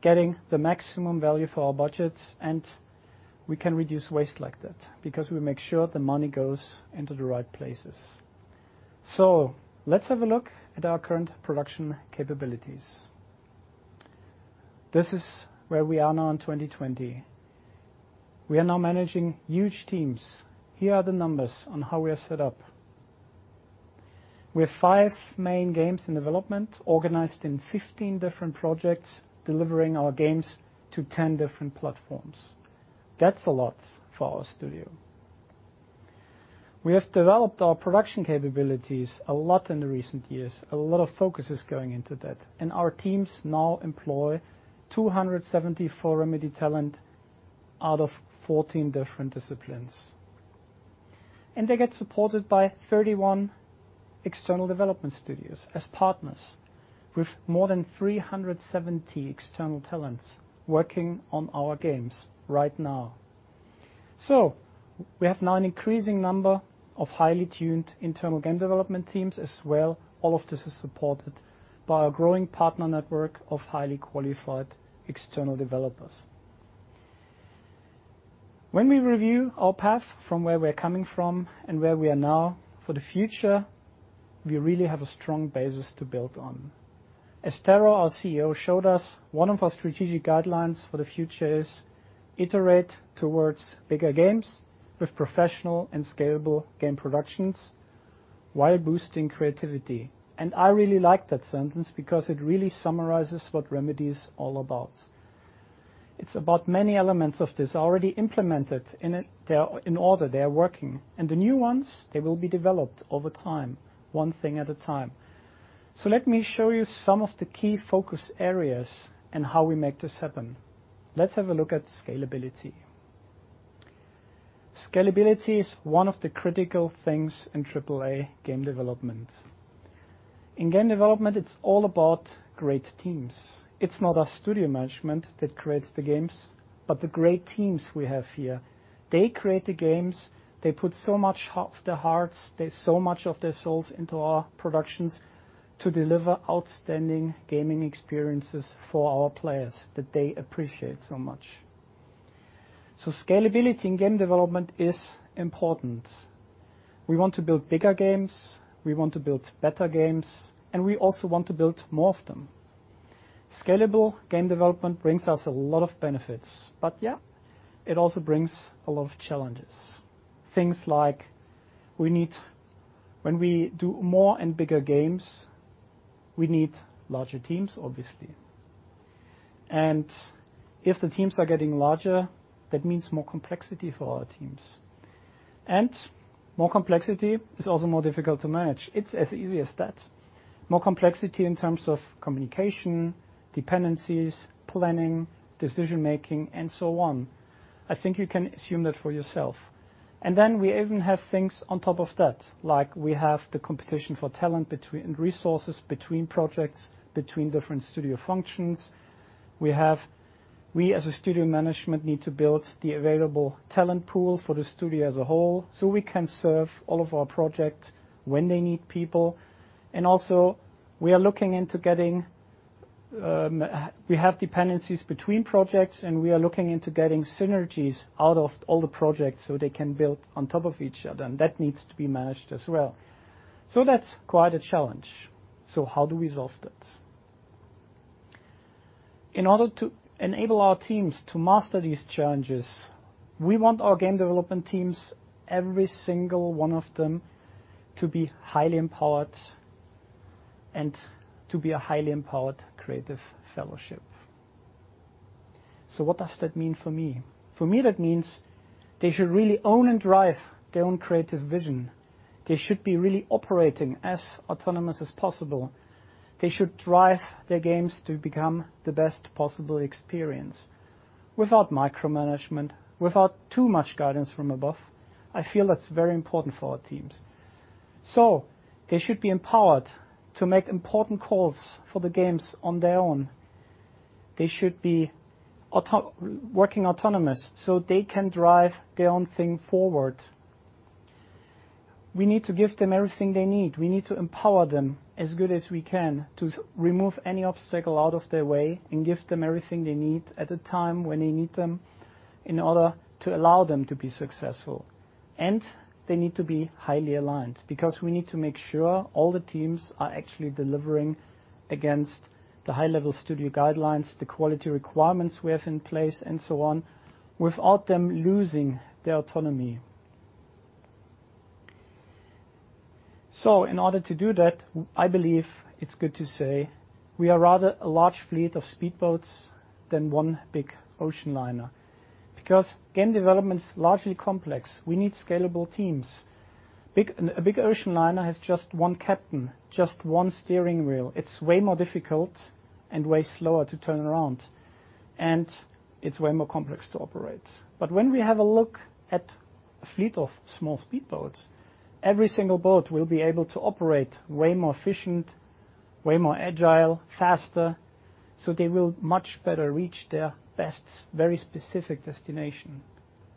getting the maximum value for our budgets, and we can reduce waste like that because we make sure the money goes into the right places. Let's have a look at our current production capabilities. This is where we are now in 2020. We are now managing huge teams. Here are the numbers on how we are set up. We have five main games in development organized in 15 different projects, delivering our games to 10 different platforms. That is a lot for our studio. We have developed our production capabilities a lot in the recent years. A lot of focus is going into that, and our teams now employ 274 Remedy talent out of 14 different disciplines. They get supported by 31 external development studios as partners with more than 370 external talents working on our games right now. We have now an increasing number of highly tuned internal game development teams as well. All of this is supported by our growing partner network of highly qualified external developers. When we review our path from where we are coming from and where we are now for the future, we really have a strong basis to build on. As Tero, our CEO, showed us, one of our strategic guidelines for the future is to iterate towards bigger games with professional and scalable game productions while boosting creativity. I really like that sentence because it really summarizes what Remedy is all about. It is about many elements of this already implemented in order they are working, and the new ones, they will be developed over time, one thing at a time. Let me show you some of the key focus areas and how we make this happen. Let's have a look at scalability. Scalability is one of the critical things in AAA game development. In game development, it is all about great teams. It is not our studio management that creates the games, but the great teams we have here. They create the games. They put so much of their hearts, so much of their souls into our productions to deliver outstanding gaming experiences for our players that they appreciate so much. Scalability in game development is important. We want to build bigger games. We want to build better games, and we also want to build more of them. Scalable game development brings us a lot of benefits, but yeah, it also brings a lot of challenges. Things like when we do more and bigger games, we need larger teams, obviously. If the teams are getting larger, that means more complexity for our teams. More complexity is also more difficult to manage. It's as easy as that. More complexity in terms of communication, dependencies, planning, decision-making, and so on. I think you can assume that for yourself. Then we even have things on top of that, like we have the competition for talent and resources between projects, between different studio functions. We, as a studio management, need to build the available talent pool for the studio as a whole so we can serve all of our projects when they need people. Also, we are looking into getting, we have dependencies between projects, and we are looking into getting synergies out of all the projects so they can build on top of each other. That needs to be managed as well. That is quite a challenge. How do we solve that? In order to enable our teams to master these challenges, we want our game development teams, every single one of them, to be highly empowered and to be a highly empowered creative fellowship. What does that mean for me? For me, that means they should really own and drive their own creative vision. They should be really operating as autonomous as possible. They should drive their games to become the best possible experience without micromanagement, without too much guidance from above. I feel that's very important for our teams. They should be empowered to make important calls for the games on their own. They should be working autonomous so they can drive their own thing forward. We need to give them everything they need. We need to empower them as good as we can to remove any obstacle out of their way and give them everything they need at a time when they need them in order to allow them to be successful. They need to be highly aligned because we need to make sure all the teams are actually delivering against the high-level studio guidelines, the quality requirements we have in place, and so on, without them losing their autonomy. In order to do that, I believe it is good to say we are rather a large fleet of speedboats than one big ocean liner because game development is largely complex. We need scalable teams. A big ocean liner has just one captain, just one steering wheel. It is way more difficult and way slower to turn around, and it is way more complex to operate. When we have a look at a fleet of small speedboats, every single boat will be able to operate way more efficient, way more agile, faster, so they will much better reach their best, very specific destination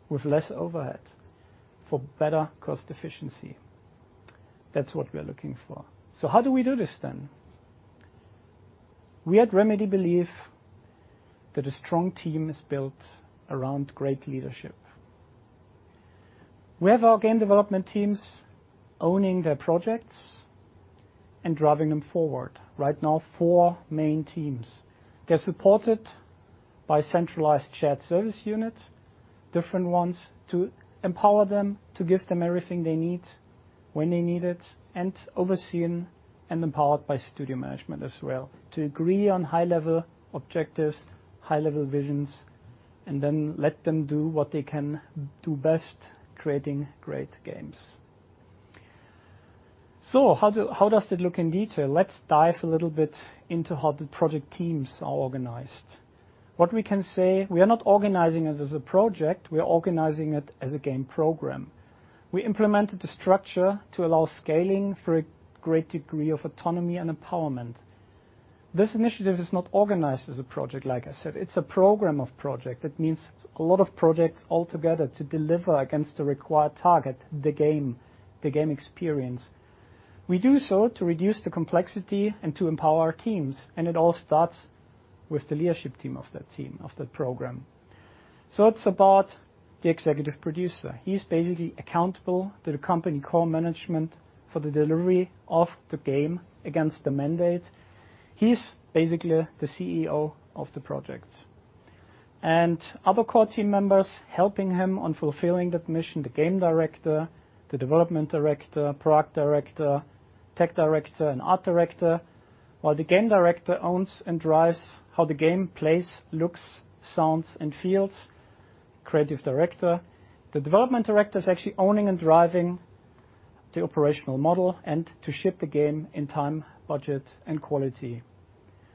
with less overhead for better cost efficiency. That's what we are looking for. How do we do this then? We at Remedy believe that a strong team is built around great leadership. We have our game development teams owning their projects and driving them forward. Right now, four main teams. They are supported by centralized shared service units, different ones, to empower them, to give them everything they need when they need it, and overseen and empowered by studio management as well to agree on high-level objectives, high-level visions, and then let them do what they can do best, creating great games. How does that look in detail? Let's dive a little bit into how the project teams are organized. What we can say, we are not organizing it as a project. We are organizing it as a game program. We implemented the structure to allow scaling for a great degree of autonomy and empowerment. This initiative is not organized as a project, like I said. It's a program of project. That means a lot of projects altogether to deliver against the required target, the game, the game experience. We do so to reduce the complexity and to empower our teams. It all starts with the leadership team of that team, of that program. It's about the executive producer. He's basically accountable to the company core management for the delivery of the game against the mandate. He's basically the CEO of the project. Other core team members helping him on fulfilling that mission, the game director, the development director, product director, tech director, and art director. While the game director owns and drives how the game plays, looks, sounds, and feels, creative director, the development director is actually owning and driving the operational model and to ship the game in time, budget, and quality.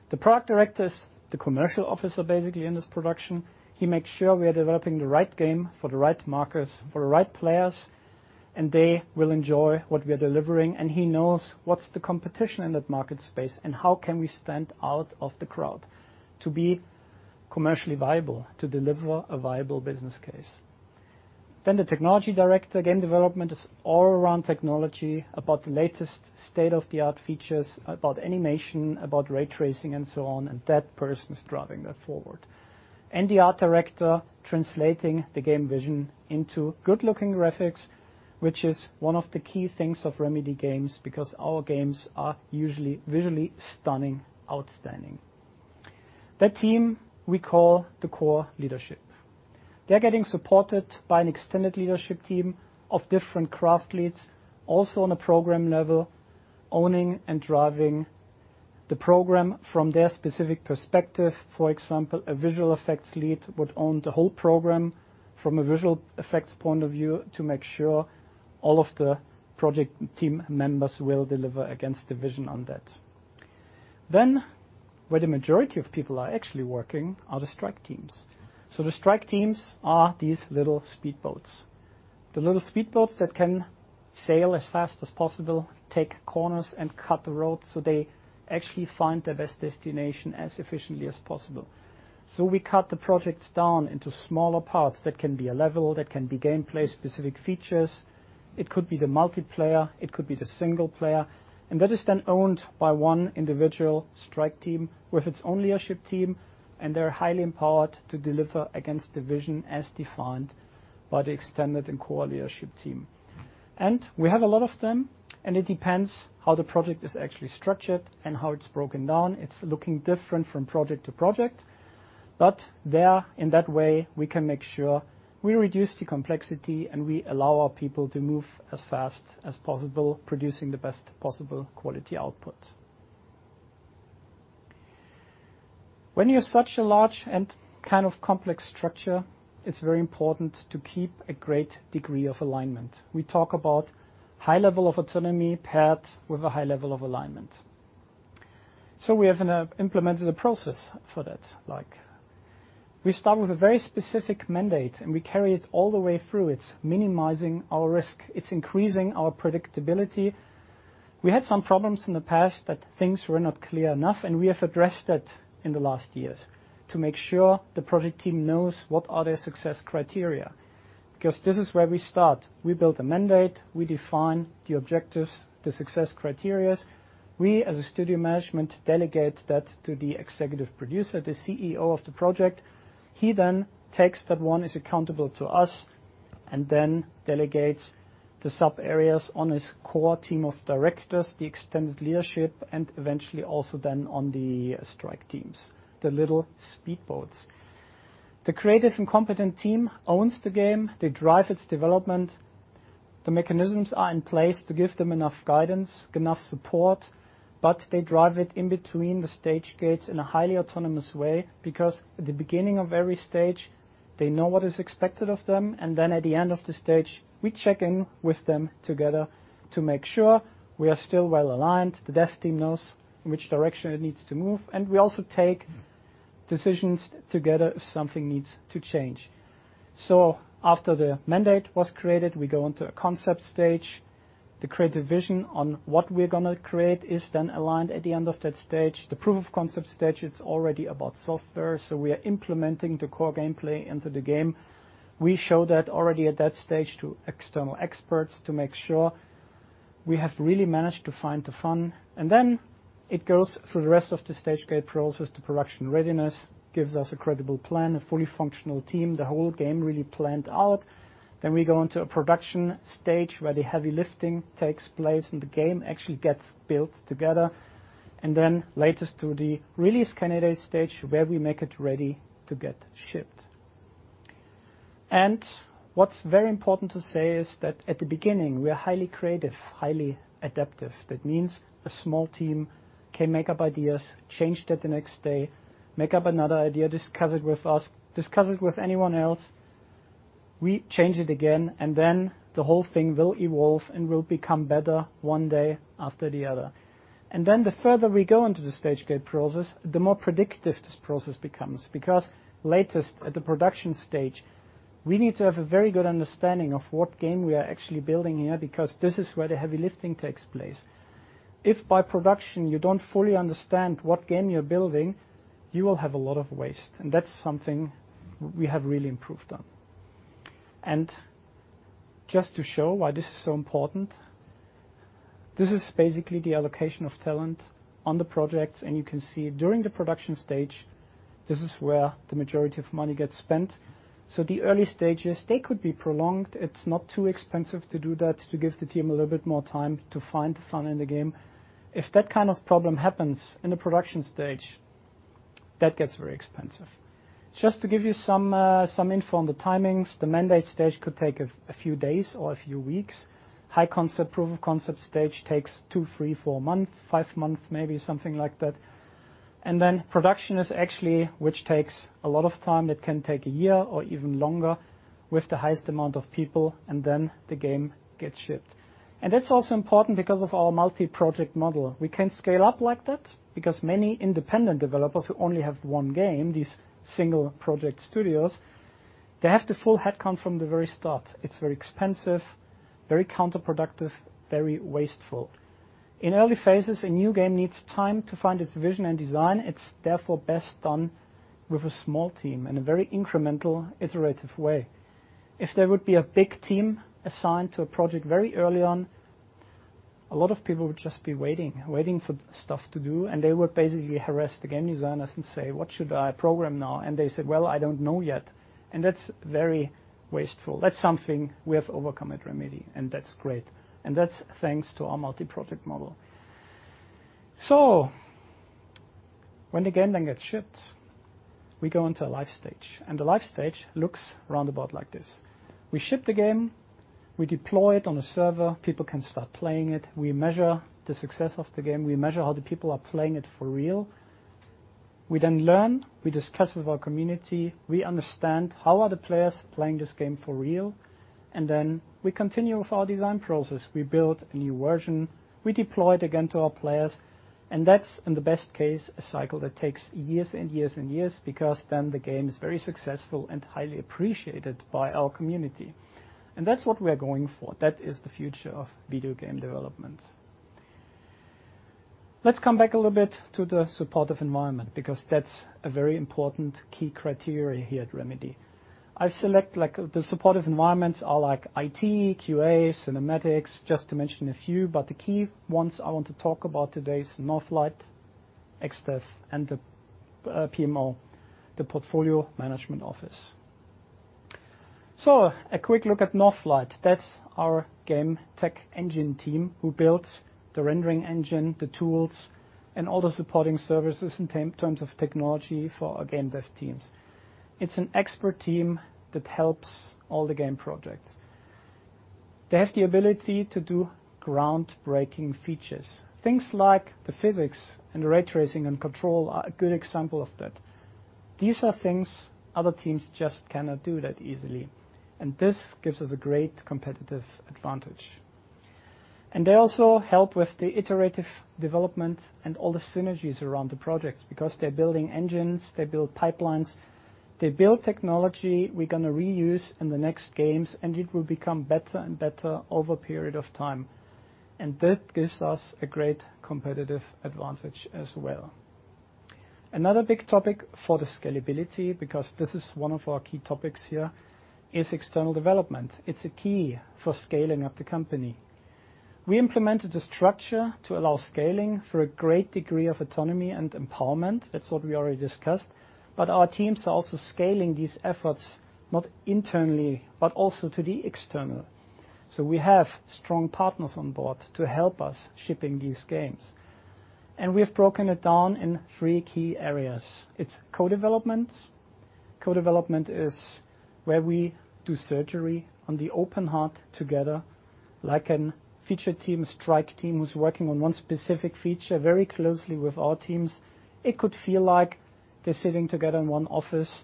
The product director is the commercial officer, basically, in this production. He makes sure we are developing the right game for the right markets, for the right players, and they will enjoy what we are delivering. And he knows what's the competition in that market space and how can we stand out of the crowd to be commercially viable, to deliver a viable business case. Then the technology director, game development, is all around technology, about the latest state-of-the-art features, about animation, about ray tracing, and so on. That person is driving that forward. The art director, translating the game vision into good-looking graphics, which is one of the key things of Remedy games because our games are usually visually stunning, outstanding. That team we call the core leadership. They're getting supported by an extended leadership team of different craft leads, also on a program level, owning and driving the program from their specific perspective. For example, a visual effects lead would own the whole program from a visual effects point of view to make sure all of the project team members will deliver against the vision on that. Where the majority of people are actually working are the strike teams. The strike teams are these little speedboats, the little speedboats that can sail as fast as possible, take corners, and cut the road so they actually find their best destination as efficiently as possible. We cut the projects down into smaller parts that can be a level, that can be gameplay-specific features. It could be the multiplayer. It could be the single player. That is then owned by one individual strike team with its own leadership team. They are highly empowered to deliver against the vision as defined by the extended and core leadership team. We have a lot of them, and it depends how the project is actually structured and how it is broken down. It is looking different from project to project. In that way, we can make sure we reduce the complexity and we allow our people to move as fast as possible, producing the best possible quality output. When you have such a large and kind of complex structure, it is very important to keep a great degree of alignment. We talk about high level of autonomy paired with a high level of alignment. We have implemented a process for that. We start with a very specific mandate, and we carry it all the way through. It is minimizing our risk. It is increasing our predictability. We had some problems in the past that things were not clear enough, and we have addressed that in the last years to make sure the project team knows what are their success criteria because this is where we start. We build a mandate. We define the objectives, the success criteria. We, as a studio management, delegate that to the executive producer, the CEO of the project. He then takes that, is accountable to us, and then delegates the sub-areas on his core team of directors, the extended leadership, and eventually also then on the strike teams, the little speedboats. The creative and competent team owns the game. They drive its development. The mechanisms are in place to give them enough guidance, enough support, but they drive it in between the stage gates in a highly autonomous way because at the beginning of every stage, they know what is expected of them. At the end of the stage, we check in with them together to make sure we are still well aligned. The dev team knows in which direction it needs to move. We also take decisions together if something needs to change. After the mandate was created, we go into a concept stage. The creative vision on what we're going to create is then aligned at the end of that stage. The proof of concept stage, it's already about software. We are implementing the core gameplay into the game. We show that already at that stage to external experts to make sure we have really managed to find the fun. It goes through the rest of the stage gate process to production readiness, gives us a credible plan, a fully functional team, the whole game really planned out. We go into a production stage where the heavy lifting takes place and the game actually gets built together. Latest to the release candidate stage where we make it ready to get shipped. What's very important to say is that at the beginning, we are highly creative, highly adaptive. That means a small team can make up ideas, change that the next day, make up another idea, discuss it with us, discuss it with anyone else. We change it again, and then the whole thing will evolve and will become better one day after the other. The further we go into the stage gate process, the more predictive this process becomes because latest at the production stage, we need to have a very good understanding of what game we are actually building here because this is where the heavy lifting takes place. If by production you do not fully understand what game you are building, you will have a lot of waste. That is something we have really improved on. Just to show why this is so important, this is basically the allocation of talent on the projects. You can see during the production stage, this is where the majority of money gets spent. The early stages, they could be prolonged. It's not too expensive to do that, to give the team a little bit more time to find the fun in the game. If that kind of problem happens in the production stage, that gets very expensive. Just to give you some info on the timings, the mandate stage could take a few days or a few weeks. High concept, proof of concept stage takes two, three, four months, five months, maybe something like that. Production is actually which takes a lot of time. It can take a year or even longer with the highest amount of people, and then the game gets shipped. That's also important because of our multi-project model. We can't scale up like that because many independent developers who only have one game, these single project studios, they have to full headcount from the very start. It's very expensive, very counterproductive, very wasteful. In early phases, a new game needs time to find its vision and design. It is therefore best done with a small team in a very incremental, iterative way. If there would be a big team assigned to a project very early on, a lot of people would just be waiting, waiting for stuff to do. They would basically harass the game designers and say, "What should I program now?" They said, "I do not know yet." That is very wasteful. That is something we have overcome at Remedy, and that is great. That is thanks to our multi-project model. When the game then gets shipped, we go into a live stage. The live stage looks roundabout like this. We ship the game. We deploy it on a server. People can start playing it. We measure the success of the game. We measure how the people are playing it for real. We then learn. We discuss with our community. We understand how are the players playing this game for real. We continue with our design process. We build a new version. We deploy it again to our players. That is, in the best case, a cycle that takes years and years and years because then the game is very successful and highly appreciated by our community. That is what we are going for. That is the future of video game development. Let's come back a little bit to the supportive environment because that is a very important key criteria here at Remedy. The supportive environments are like IT, QA, cinematics, just to mention a few. The key ones I want to talk about today are Northlight, XDev, and the PMO, the Portfolio Management Office. A quick look at Northlight. That's our game tech engine team who builds the rendering engine, the tools, and all the supporting services in terms of technology for our game dev teams. It's an expert team that helps all the game projects. They have the ability to do groundbreaking features. Things like the physics and the ray tracing in Control are a good example of that. These are things other teams just cannot do that easily. This gives us a great competitive advantage. They also help with the iterative development and all the synergies around the projects because they're building engines. They build pipelines. They build technology we're going to reuse in the next games, and it will become better and better over a period of time. That gives us a great competitive advantage as well. Another big topic for the scalability, because this is one of our key topics here, is external development. It's a key for scaling up the company. We implemented a structure to allow scaling for a great degree of autonomy and empowerment. That's what we already discussed. Our teams are also scaling these efforts, not internally, but also to the external. We have strong partners on board to help us shipping these games. We have broken it down in three key areas. It's co-development. Co-development is where we do surgery on the open heart together, like a feature team, strike team who's working on one specific feature very closely with our teams. It could feel like they're sitting together in one office.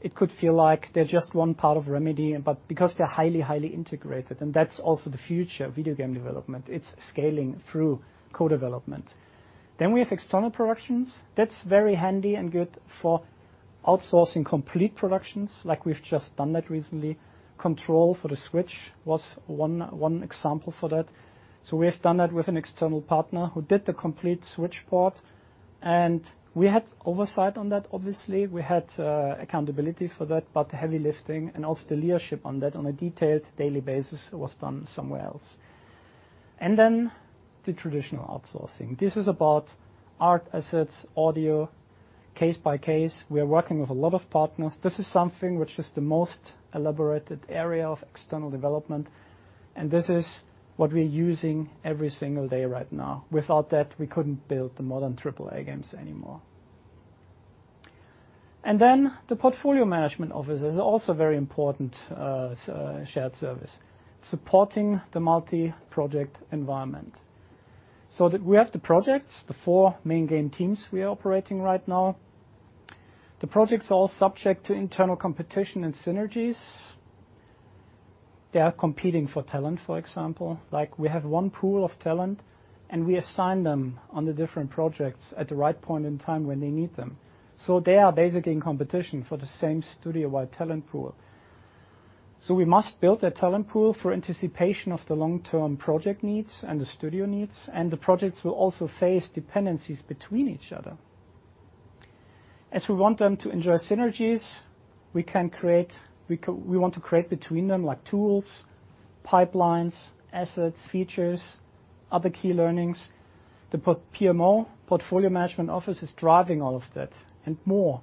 It could feel like they're just one part of Remedy, because they're highly, highly integrated. That's also the future of video game development. It's scaling through co-development. We have external productions. That's very handy and good for outsourcing complete productions, like we've just done that recently. Control for the Switch was one example for that. We have done that with an external partner who did the complete Switch port. We had oversight on that, obviously. We had accountability for that, but the heavy lifting and also the leadership on that on a detailed daily basis was done somewhere else. The traditional outsourcing is about art, assets, audio, case by case. We are working with a lot of partners. This is something which is the most elaborated area of external development. This is what we're using every single day right now. Without that, we couldn't build the modern AAA games anymore. The portfolio management office is also a very important shared service, supporting the multi-project environment. We have the projects, the four main game teams we are operating right now. The projects are all subject to internal competition and synergies. They are competing for talent, for example. We have one pool of talent, and we assign them on the different projects at the right point in time when they need them. They are basically in competition for the same studio-wide talent pool. We must build that talent pool for anticipation of the long-term project needs and the studio needs. The projects will also face dependencies between each other. As we want them to enjoy synergies, we want to create between them tools, pipelines, assets, features, other key learnings. The PMO, Portfolio Management Office, is driving all of that and more.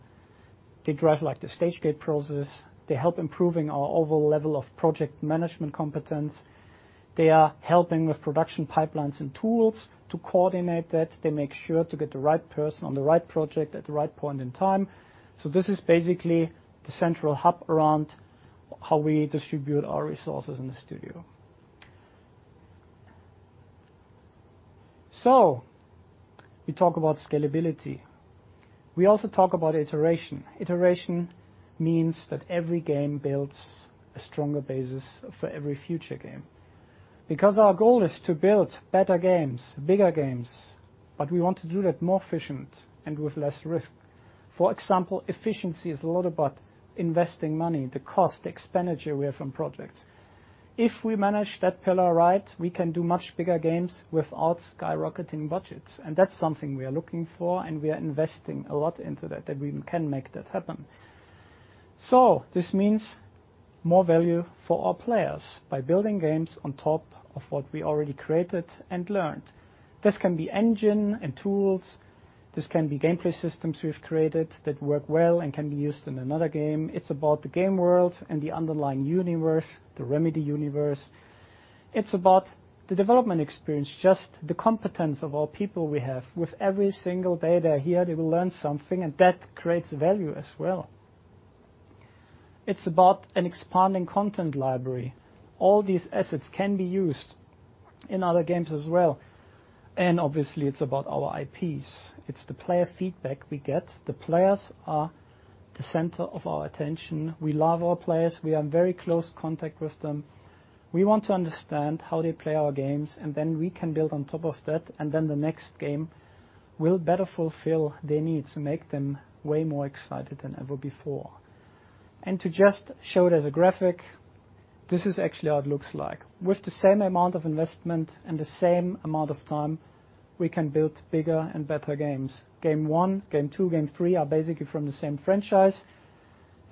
They drive the stage gate process. They help improving our overall level of project management competence. They are helping with production pipelines and tools to coordinate that. They make sure to get the right person on the right project at the right point in time. This is basically the central hub around how we distribute our resources in the studio. We talk about scalability. We also talk about iteration. Iteration means that every game builds a stronger basis for every future game because our goal is to build better games, bigger games, but we want to do that more efficient and with less risk. For example, efficiency is a lot about investing money, the cost, the expenditure we have on projects. If we manage that pillar right, we can do much bigger games without skyrocketing budgets. That is something we are looking for, and we are investing a lot into that, that we can make that happen. This means more value for our players by building games on top of what we already created and learned. This can be engine and tools. This can be gameplay systems we've created that work well and can be used in another game. It is about the game world and the underlying universe, the Remedy universe. It is about the development experience, just the competence of our people we have. With every single day they're here, they will learn something, and that creates value as well. It is about an expanding content library. All these assets can be used in other games as well. Obviously, it is about our IPs. It is the player feedback we get. The players are the center of our attention. We love our players. We are in very close contact with them. We want to understand how they play our games, and then we can build on top of that. Then the next game will better fulfill their needs and make them way more excited than ever before. To just show it as a graphic, this is actually how it looks like. With the same amount of investment and the same amount of time, we can build bigger and better games. Game One, Game Two, Game Three are basically from the same franchise.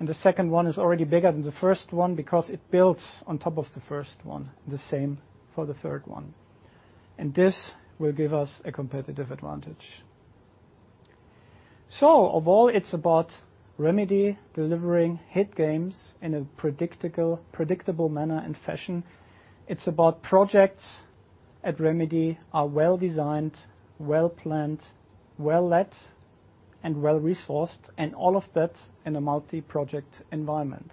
The second one is already bigger than the first one because it builds on top of the first one, the same for the third one. This will give us a competitive advantage. Overall, it is about Remedy delivering hit games in a predictable manner and fashion. It's about projects at Remedy are well designed, well planned, well led, and well resourced, and all of that in a multi-project environment.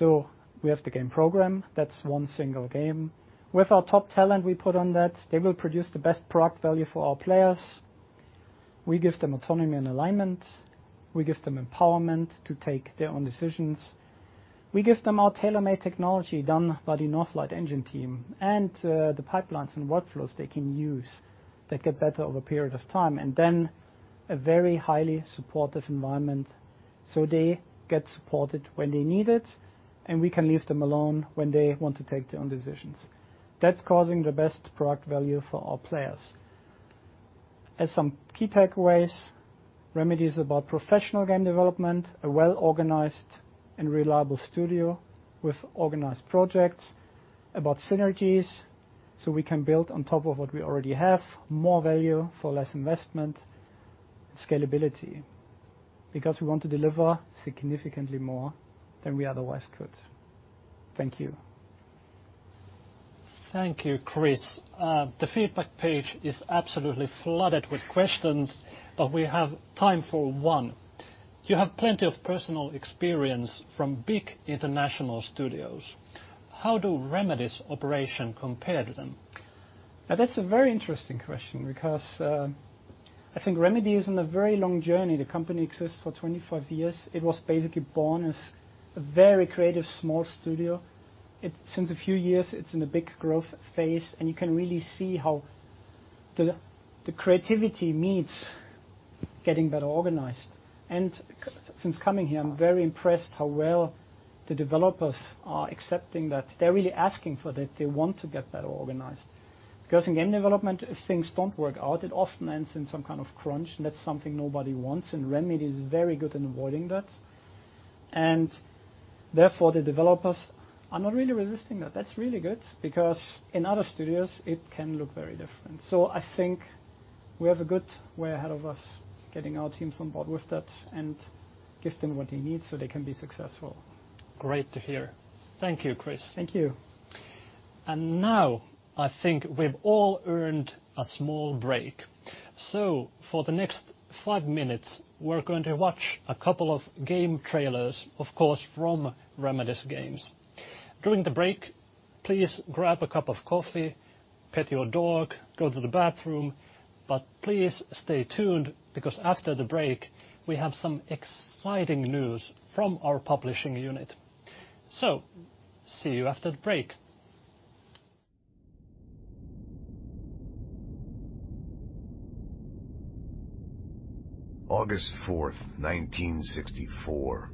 We have the game program. That's one single game. With our top talent, we put on that, they will produce the best product value for our players. We give them autonomy and alignment. We give them empowerment to take their own decisions. We give them our tailor-made technology done by the Northlight engine team and the pipelines and workflows they can use that get better over a period of time. A very highly supportive environment so they get supported when they need it, and we can leave them alone when they want to take their own decisions. That's causing the best product value for our players. As some key takeaways, Remedy is about professional game development, a well-organized and reliable studio with organized projects, about synergies so we can build on top of what we already have, more value for less investment, scalability because we want to deliver significantly more than we otherwise could. Thank you. Thank you, Chris. The feedback page is absolutely flooded with questions, but we have time for one. You have plenty of personal experience from big international studios. How do Remedy's operation compare to them? That's a very interesting question because I think Remedy is on a very long journey. The company exists for 25 years. It was basically born as a very creative small studio. Since a few years, it's in a big growth phase, and you can really see how the creativity needs getting better organized. Since coming here, I'm very impressed how well the developers are accepting that. They're really asking for that. They want to get better organized because in game development, if things don't work out, it often ends in some kind of crunch. That's something nobody wants. Remedy is very good in avoiding that. Therefore, the developers are not really resisting that. That's really good because in other studios, it can look very different. I think we have a good way ahead of us getting our teams on board with that and give them what they need so they can be successful. Great to hear. Thank you, Chris. Thank you. I think we've all earned a small break. For the next five minutes, we're going to watch a couple of game trailers, of course, from Remedy's games. During the break, please grab a cup of coffee, pet your dog, go to the bathroom. Please stay tuned because after the break, we have some exciting news from our publishing unit. See you after the break. August 4th, 1964.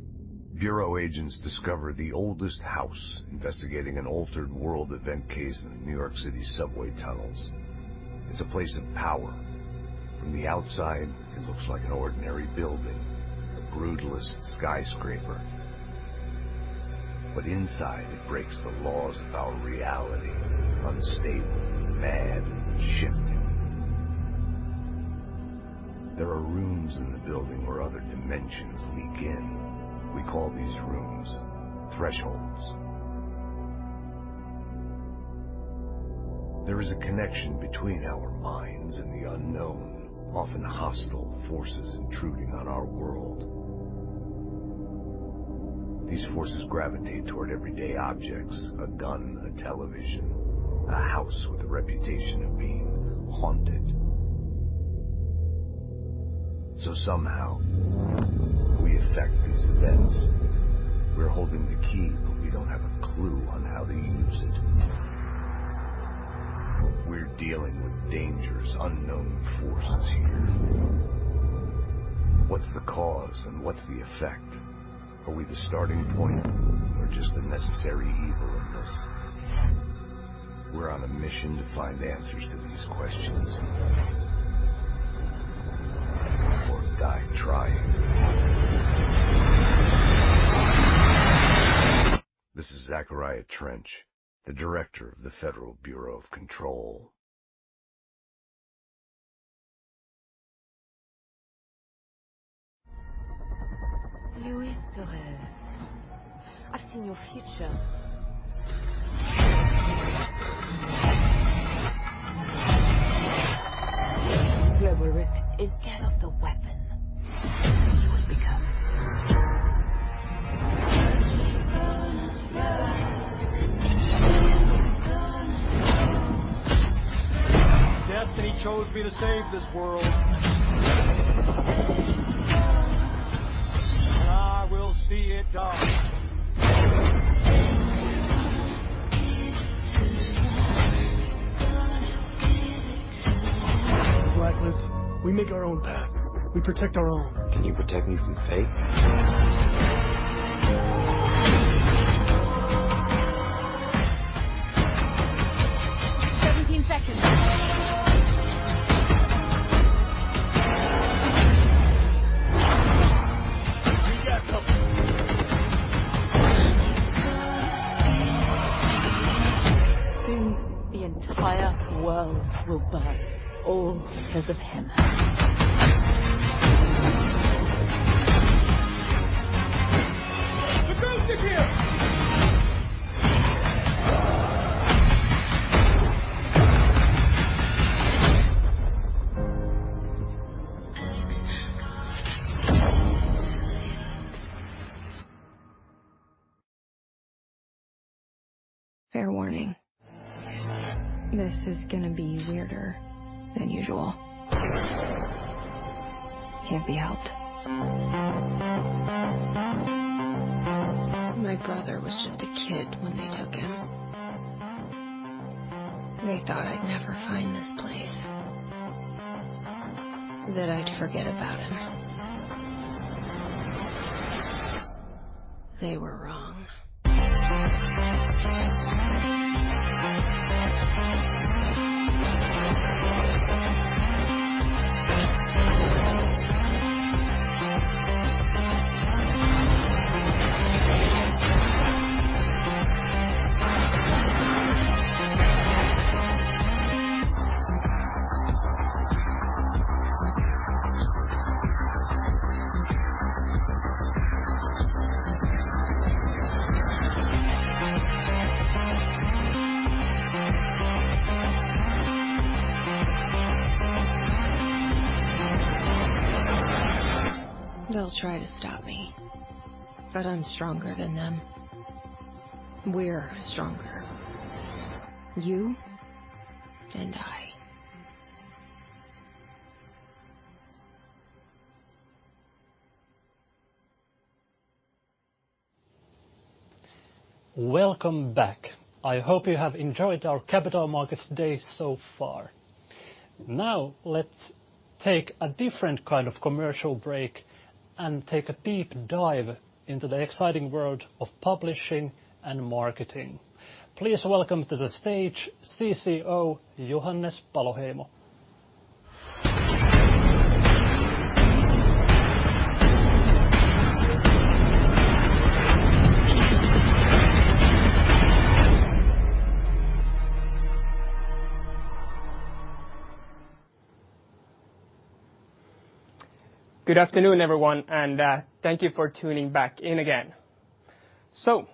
Bureau agents discover the Oldest House investigating an altered world event case in the New York City subway tunnels. It's a place of power. From the outside, it looks like an ordinary building, a brutalist skyscraper. Inside, it breaks the laws of our reality: unstable, mad, shifting. There are rooms in the building where other dimensions leak in. We call these rooms thresholds. There is a connection between our minds and the unknown, often hostile forces intruding on our world. These forces gravitate toward everyday objects: a gun, a television, a house with a reputation of being haunted. Somehow, we affect these events. We're holding the key, but we don't have a clue on how to use it. We're dealing with dangerous, unknown forces here. What's the cause, and what's the effect? Are we the starting point or just a necessary evil in this? We're on a mission to find answers to these questions or die trying. This is Zachariah Trench, the Director of the Federal Bureau of Control. Luis Torres, I've seen your future. Global Risk is scared of the weapon you will become. Destiny chose me to save this world, and I will see it. Black List, we make our own path. We protect our own. Can you protect me from fate? 17 seconds. We got something. Soon, the entire world will burn all because of him. The ghost is here! Fair warning. This is going to be weirder than usual. Can't be helped. My brother was just a kid when they took him. They thought I'd never find this place, that I'd forget about him. They were wrong. They'll try to stop me, but I'm stronger than them. We're stronger. You and I. Welcome back. I hope you have enjoyed our capital markets day so far. Now, let's take a different kind of commercial break and take a deep dive into the exciting world of publishing and marketing. Please welcome to the stage CCO Johannes Paloheimo. Good afternoon, everyone, and thank you for tuning back in again. The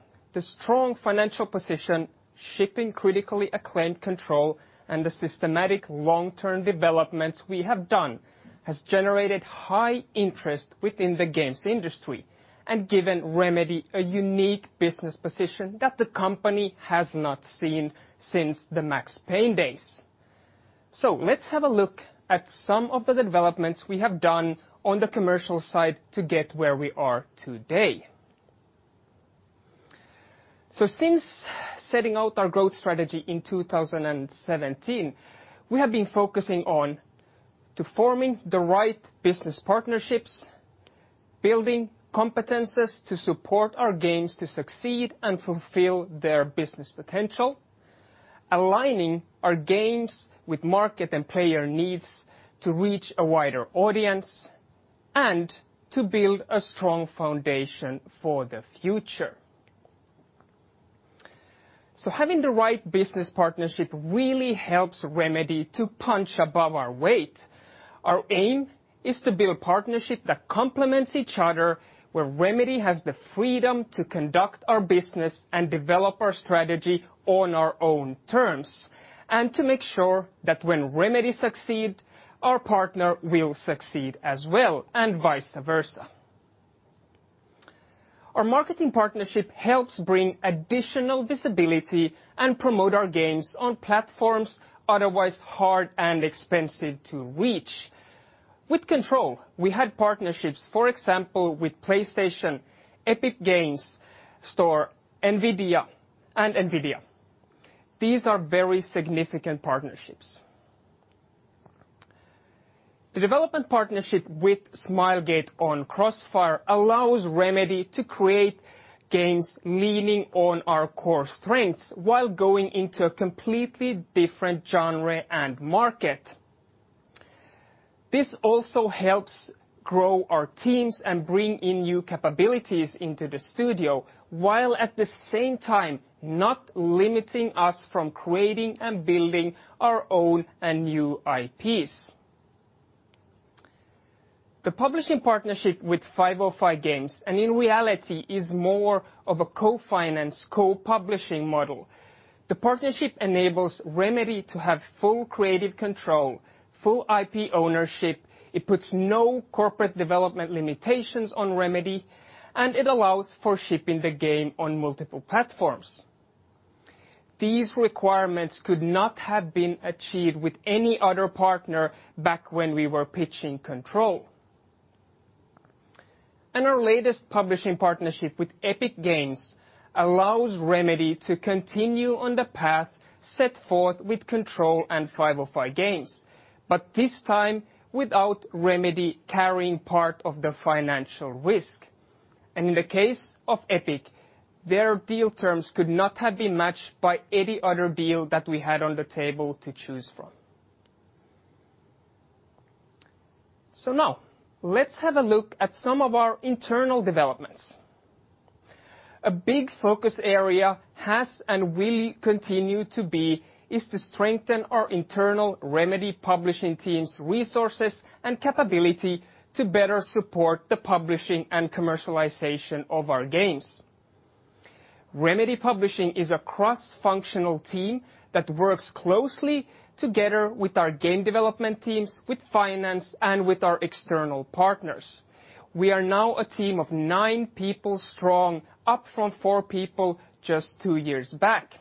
strong financial position, shipping critically acclaimed Control, and the systematic long-term developments we have done have generated high interest within the games industry and given Remedy a unique business position that the company has not seen since the Max Payne days. Let's have a look at some of the developments we have done on the commercial side to get where we are today. Since setting out our growth strategy in 2017, we have been focusing on forming the right business partnerships, building competencies to support our games to succeed and fulfill their business potential, aligning our games with market and player needs to reach a wider audience, and to build a strong foundation for the future. Having the right business partnership really helps Remedy to punch above our weight. Our aim is to build partnerships that complement each other where Remedy has the freedom to conduct our business and develop our strategy on our own terms and to make sure that when Remedy succeeds, our partner will succeed as well and vice versa. Our marketing partnership helps bring additional visibility and promote our games on platforms otherwise hard and expensive to reach. With Control, we had partnerships, for example, with PlayStation, Epic Games Store, NVIDIA, and NVIDIA. These are very significant partnerships. The development partnership with Smilegate on Crossfire allows Remedy to create games leaning on our core strengths while going into a completely different genre and market. This also helps grow our teams and bring in new capabilities into the studio while at the same time not limiting us from creating and building our own and new IPs. The publishing partnership with 505 Games and in reality is more of a co-finance, co-publishing model. The partnership enables Remedy to have full creative control, full IP ownership. It puts no corporate development limitations on Remedy, and it allows for shipping the game on multiple platforms. These requirements could not have been achieved with any other partner back when we were pitching Control. Our latest publishing partnership with Epic Games allows Remedy to continue on the path set forth with Control and 505 Games, but this time without Remedy carrying part of the financial risk. In the case of Epic, their deal terms could not have been matched by any other deal that we had on the table to choose from. Now, let's have a look at some of our internal developments. A big focus area has and will continue to be to strengthen our internal Remedy Publishing team's resources and capability to better support the publishing and commercialization of our games. Remedy Publishing is a cross-functional team that works closely together with our game development teams, with finance, and with our external partners. We are now a team of nine people strong, up from four people just two years back.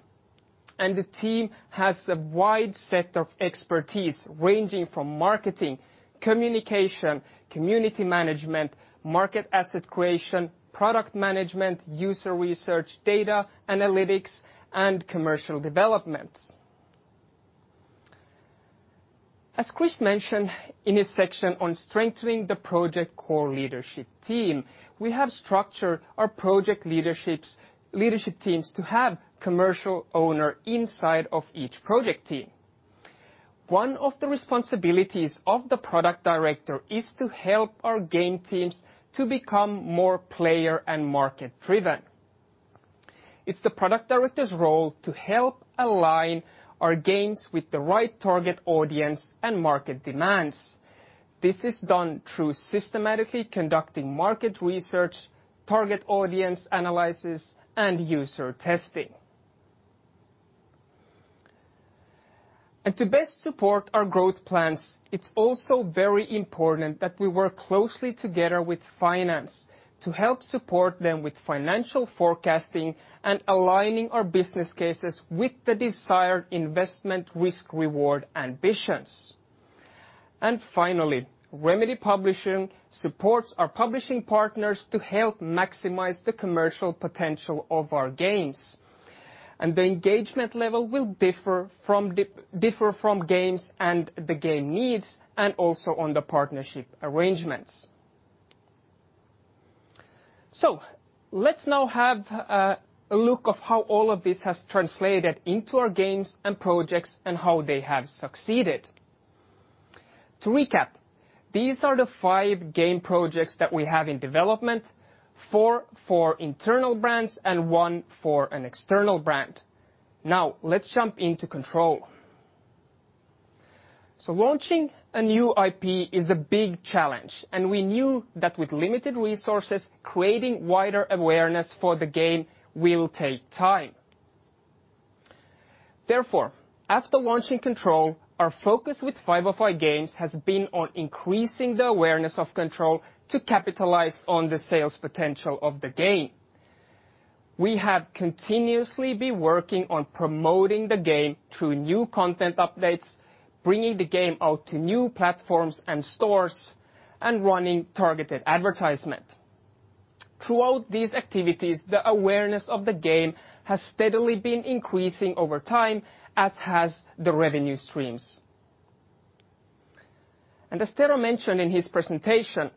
The team has a wide set of expertise ranging from marketing, communication, community management, market asset creation, product management, user research, data analytics, and commercial developments. As Chris mentioned in his section on strengthening the project core leadership team, we have structured our project leadership teams to have commercial owners inside of each project team. One of the responsibilities of the product director is to help our game teams to become more player and market-driven. It is the product director's role to help align our games with the right target audience and market demands. This is done through systematically conducting market research, target audience analysis, and user testing. To best support our growth plans, it is also very important that we work closely together with finance to help support them with financial forecasting and aligning our business cases with the desired investment risk-reward ambitions. Finally, Remedy Publishing supports our publishing partners to help maximize the commercial potential of our games. The engagement level will differ from games and the game needs and also on the partnership arrangements. Let's now have a look at how all of this has translated into our games and projects and how they have succeeded. To recap, these are the five game projects that we have in development, four for internal brands, and one for an external brand. Now, let's jump into Control. Launching a new IP is a big challenge, and we knew that with limited resources, creating wider awareness for the game will take time. Therefore, after launching Control, our focus with 505 Games has been on increasing the awareness of Control to capitalize on the sales potential of the game. We have continuously been working on promoting the game through new content updates, bringing the game out to new platforms and stores, and running targeted advertisement. Throughout these activities, the awareness of the game has steadily been increasing over time, as have the revenue streams. As Tero mentioned in his presentation,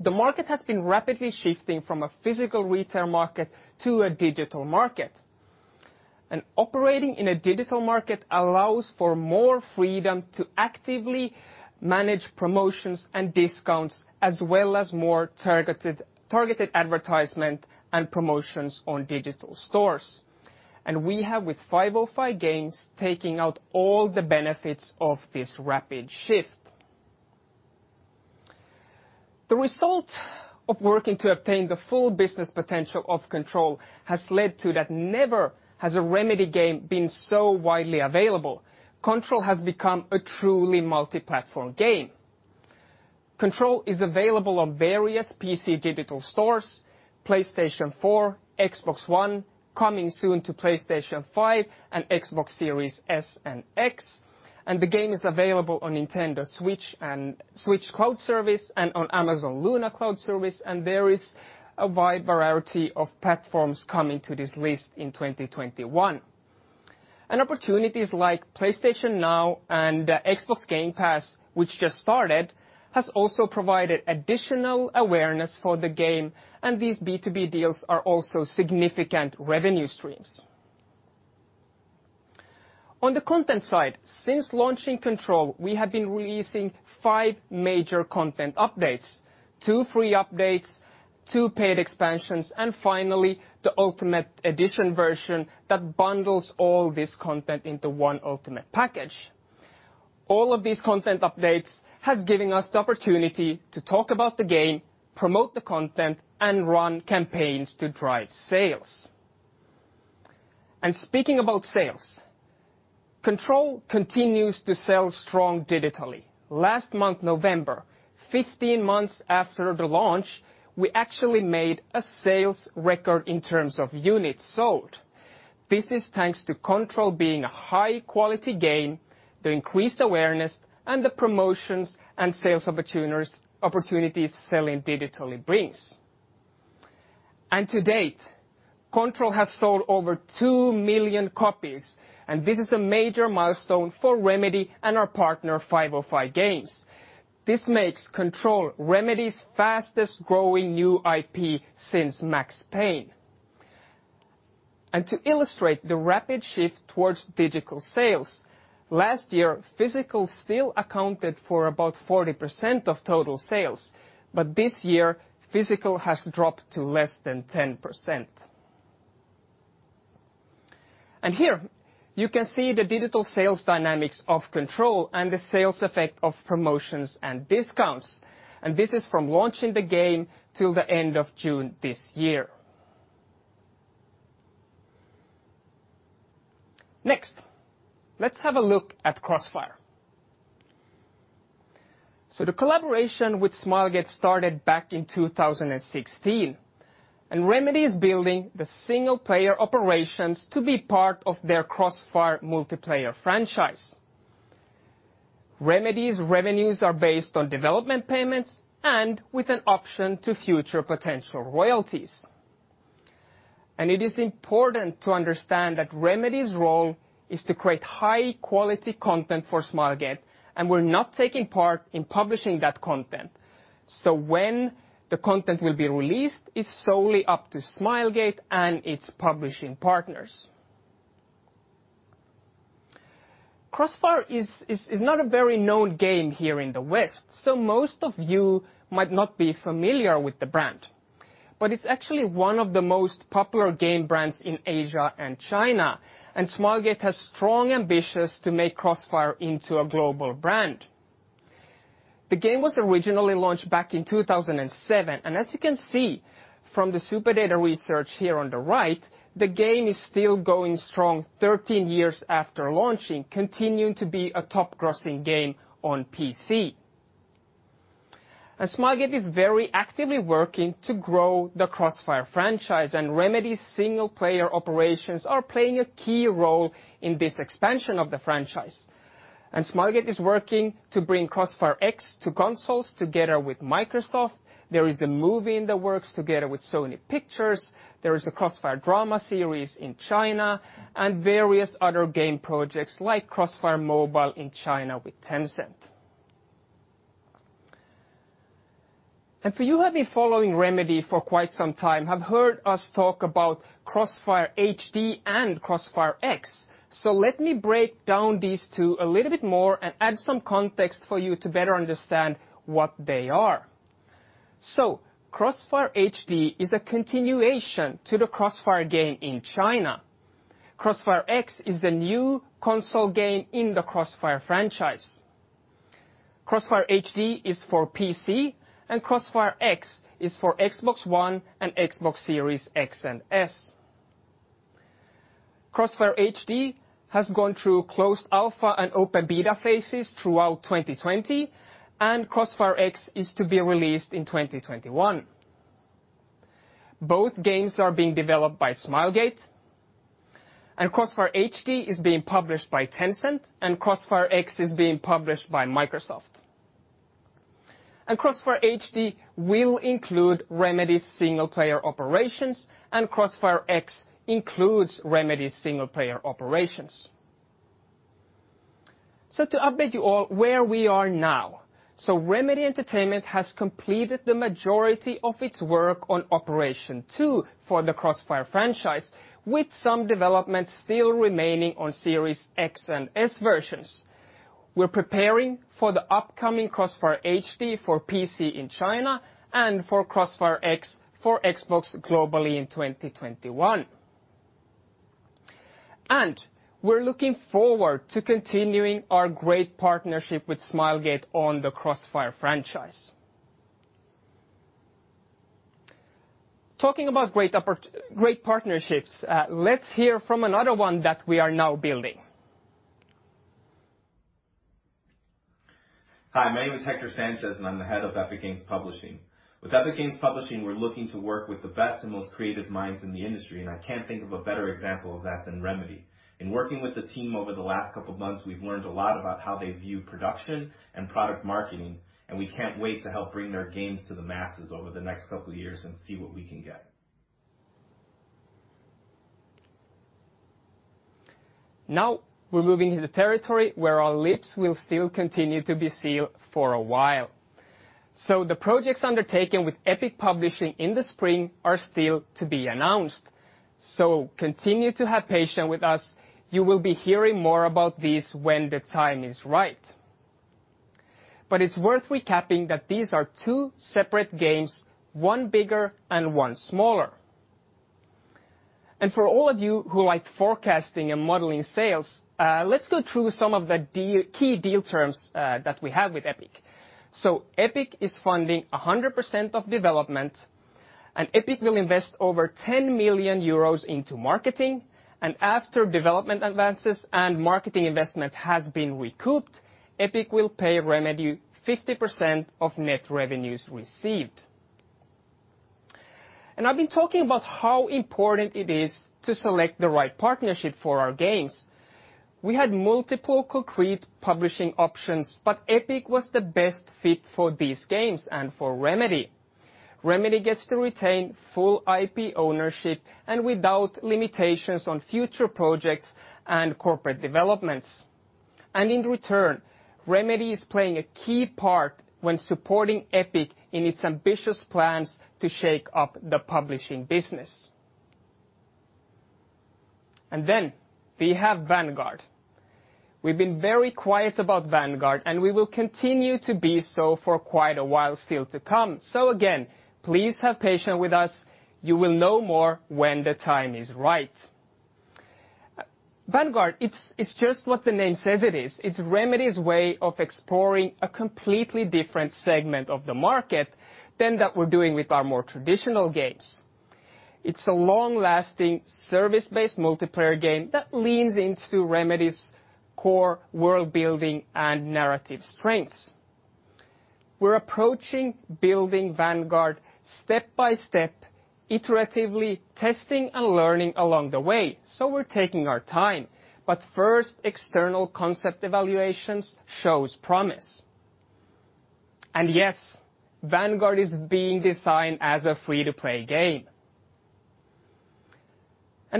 the market has been rapidly shifting from a physical retail market to a digital market. Operating in a digital market allows for more freedom to actively manage promotions and discounts, as well as more targeted advertisement and promotions on digital stores. We have with 505 Games taken out all the benefits of this rapid shift. The result of working to obtain the full business potential of Control has led to that never has a Remedy game been so widely available. Control has become a truly multi-platform game. Control is available on various PC digital stores, PlayStation 4, Xbox One, coming soon to PlayStation 5 and Xbox Series S and X. The game is available on Nintendo Switch and Switch Cloud Service and on Amazon Luna Cloud Service. There is a wide variety of platforms coming to this list in 2021. Opportunities like PlayStation Now and Xbox Game Pass, which just started, have also provided additional awareness for the game, and these B2B deals are also significant revenue streams. On the content side, since launching Control, we have been releasing five major content updates: two free updates, two paid expansions, and finally, the Ultimate Edition version that bundles all this content into one ultimate package. All of these content updates have given us the opportunity to talk about the game, promote the content, and run campaigns to drive sales. Speaking about sales, Control continues to sell strong digitally. Last month, November, 15 months after the launch, we actually made a sales record in terms of units sold. This is thanks to Control being a high-quality game, the increased awareness, and the promotions and sales opportunities selling digitally brings. To date, Control has sold over 2 million copies, and this is a major milestone for Remedy and our partner 505 Games. This makes Control Remedy's fastest-growing new IP since Max Payne. To illustrate the rapid shift towards digital sales, last year, physical still accounted for about 40% of total sales, but this year, physical has dropped to less than 10%. Here, you can see the digital sales dynamics of Control and the sales effect of promotions and discounts. This is from launching the game till the end of June this year. Next, let's have a look at Crossfire. The collaboration with Smilegate started back in 2016, and Remedy is building the single-player operations to be part of their Crossfire multiplayer franchise. Remedy's revenues are based on development payments and with an option to future potential royalties. It is important to understand that Remedy's role is to create high-quality content for Smilegate, and we're not taking part in publishing that content. When the content will be released is solely up to Smilegate and its publishing partners. Crossfire is not a very known game here in the West, so most of you might not be familiar with the brand, but it's actually one of the most popular game brands in Asia and China, and Smilegate has strong ambitions to make Crossfire into a global brand. The game was originally launched back in 2007, and as you can see from the SuperData research here on the right, the game is still going strong 13 years after launching, continuing to be a top-grossing game on PC. Smilegate is very actively working to grow the Crossfire franchise, and Remedy's single-player operations are playing a key role in this expansion of the franchise. Smilegate is working to bring Crossfire X to consoles together with Microsoft. There is a movie in the works together with Sony Pictures. There is a Crossfire drama series in China and various other game projects like Crossfire Mobile in China with Tencent. For you who have been following Remedy for quite some time, you have heard us talk about Crossfire HD and Crossfire X. Let me break down these two a little bit more and add some context for you to better understand what they are. Crossfire HD is a continuation to the Crossfire game in China. Crossfire X is a new console game in the Crossfire franchise. Crossfire HD is for PC, and Crossfire X is for Xbox One and Xbox Series X and S. Crossfire HD has gone through closed alpha and open beta phases throughout 2020, and Crossfire X is to be released in 2021. Both games are being developed by Smilegate, and Crossfire HD is being published by Tencent, and Crossfire X is being published by Microsoft. Crossfire HD will include Remedy's single-player operations, and Crossfire X includes Remedy's single-player operations. To update you all where we are now, Remedy Entertainment has completed the majority of its work on Operation 2 for the Crossfire franchise, with some development still remaining on Series X and S versions. We're preparing for the upcoming Crossfire HD for PC in China and for Crossfire X for Xbox globally in 2021. We're looking forward to continuing our great partnership with Smilegate on the Crossfire franchise. Talking about great partnerships, let's hear from another one that we are now building. Hi, my name is Hector Sanchez, and I'm the Head of Epic Games Publishing. With Epic Games Publishing, we're looking to work with the best and most creative minds in the industry, and I can't think of a better example of that than Remedy. In working with the team over the last couple of months, we've learned a lot about how they view production and product marketing, and we can't wait to help bring their games to the masses over the next couple of years and see what we can get. Now, we're moving into territory where our lips will still continue to be sealed for a while. The projects undertaken with Epic Games Publishing in the spring are still to be announced. Continue to have patience with us. You will be hearing more about these when the time is right. It is worth recapping that these are two separate games, one bigger and one smaller. For all of you who like forecasting and modeling sales, let's go through some of the key deal terms that we have with Epic. Epic is funding 100% of development, and Epic will invest over 10 million euros into marketing. After development advances and marketing investment has been recouped, Epic will pay Remedy 50% of net revenues received. I have been talking about how important it is to select the right partnership for our games. We had multiple concrete publishing options, but Epic was the best fit for these games and for Remedy. Remedy gets to retain full IP ownership and without limitations on future projects and corporate developments. In return, Remedy is playing a key part when supporting Epic in its ambitious plans to shake up the publishing business. We have Vanguard. We have been very quiet about Vanguard, and we will continue to be so for quite a while still to come. Please have patience with us. You will know more when the time is right. Vanguard, it's just what the name says it is. It's Remedy's way of exploring a completely different segment of the market than that we're doing with our more traditional games. It's a long-lasting service-based multiplayer game that leans into Remedy's core world-building and narrative strengths. We're approaching building Vanguard step by step, iteratively testing and learning along the way. We're taking our time, but first, external concept evaluations show promise. Yes, Vanguard is being designed as a free-to-play game.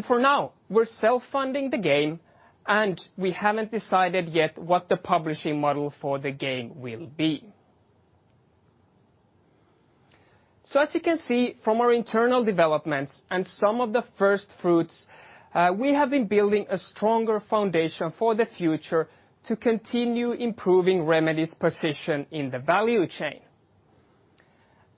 For now, we're self-funding the game, and we haven't decided yet what the publishing model for the game will be. As you can see from our internal developments and some of the first fruits, we have been building a stronger foundation for the future to continue improving Remedy's position in the value chain.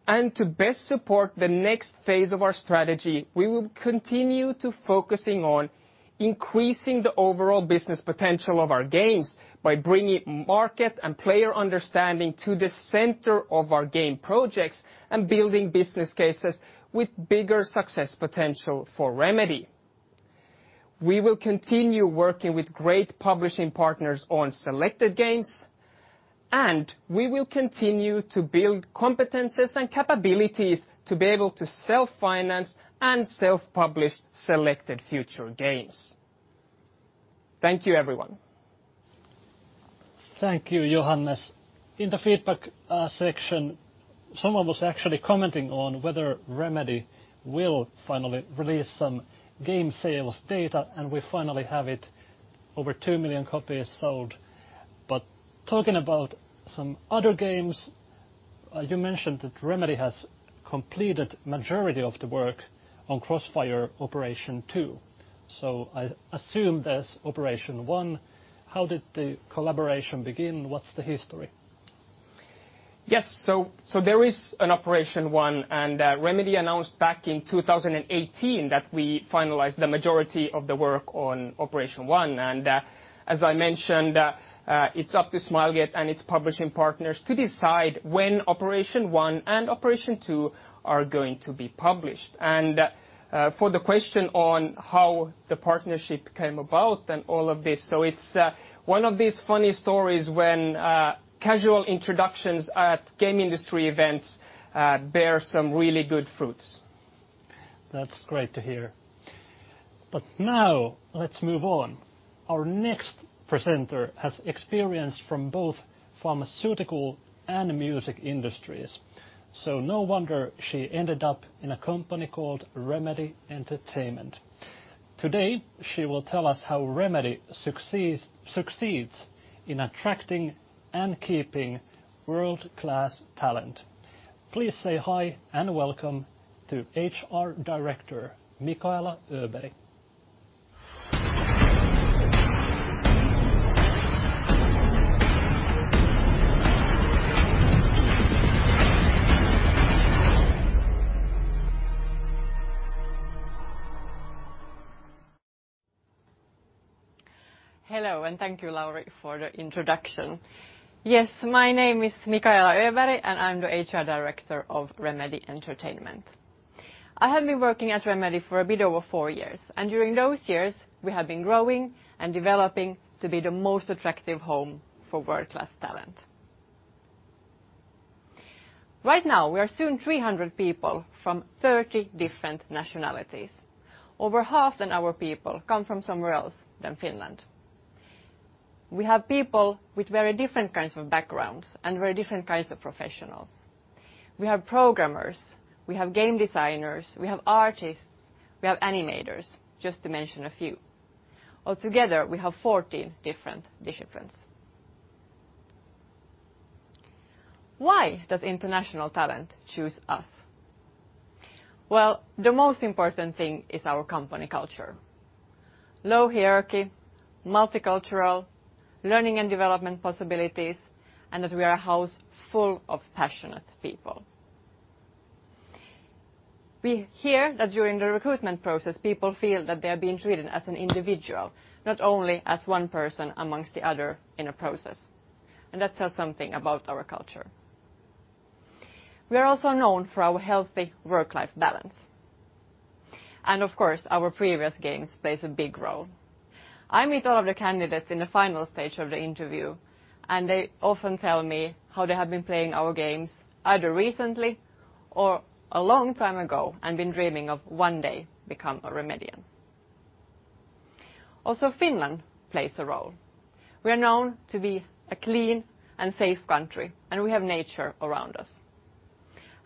To best support the next phase of our strategy, we will continue to focus on increasing the overall business potential of our games by bringing market and player understanding to the center of our game projects and building business cases with bigger success potential for Remedy. We will continue working with great publishing partners on selected games, and we will continue to build competencies and capabilities to be able to self-finance and self-publish selected future games. Thank you, everyone. Thank you, Johannes. In the feedback section, someone was actually commenting on whether Remedy will finally release some game sales data, and we finally have it, over 2 million copies sold. Talking about some other games, you mentioned that Remedy has completed the majority of the work on Crossfire Operation Two. I assume that's Operation One. How did the collaboration begin? What's the history? Yes, so there is an Operation One, and Remedy announced back in 2018 that we finalized the majority of the work on Operation One. As I mentioned, it's up to Smilegate and its publishing partners to decide when Operation One and Operation Two are going to be published. For the question on how the partnership came about and all of this, it's one of these funny stories when casual introductions at game industry events bear some really good fruits. That's great to hear. Now, let's move on. Our next presenter has experience from both pharmaceutical and music industries. No wonder she ended up in a company called Remedy Entertainment. Today, she will tell us how Remedy succeeds in attracting and keeping world-class talent. Please say hi and welcome to HR Director Mikaela Öberg. Hello, and thank you, Lauri, for the introduction. Yes, my name is Mikaela Öberg, and I'm the HR Director of Remedy Entertainment. I have been working at Remedy for a bit over four years, and during those years, we have been growing and developing to be the most attractive home for world-class talent. Right now, we are soon 300 people from 30 different nationalities. Over half of our people come from somewhere else than Finland. We have people with very different kinds of backgrounds and very different kinds of professionals. We have programmers, we have game designers, we have artists, we have animators, just to mention a few. Altogether, we have 14 different disciplines. Why does international talent choose us? The most important thing is our company culture: low hierarchy, multicultural, learning and development possibilities, and that we are a house full of passionate people. We hear that during the recruitment process, people feel that they are being treated as an individual, not only as one person amongst the other in a process. That tells something about our culture. We are also known for our healthy work-life balance. Of course, our previous games play a big role. I meet all of the candidates in the final stage of the interview, and they often tell me how they have been playing our games either recently or a long time ago and been dreaming of one day becoming a Remedian. Also, Finland plays a role. We are known to be a clean and safe country, and we have nature around us.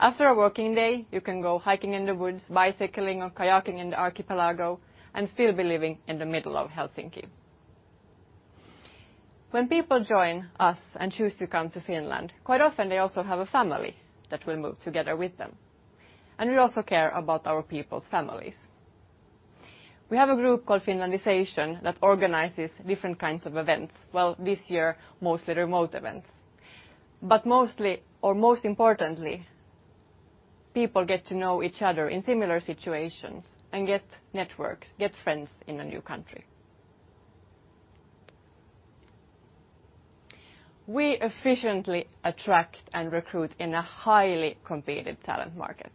After a working day, you can go hiking in the woods, bicycling, or kayaking in the archipelago and still be living in the middle of Helsinki. When people join us and choose to come to Finland, quite often they also have a family that will move together with them. We also care about our people's families. We have a group called Finlandization that organizes different kinds of events. This year, mostly remote events. Most importantly, people get to know each other in similar situations and get networks, get friends in a new country. We efficiently attract and recruit in a highly competitive talent market.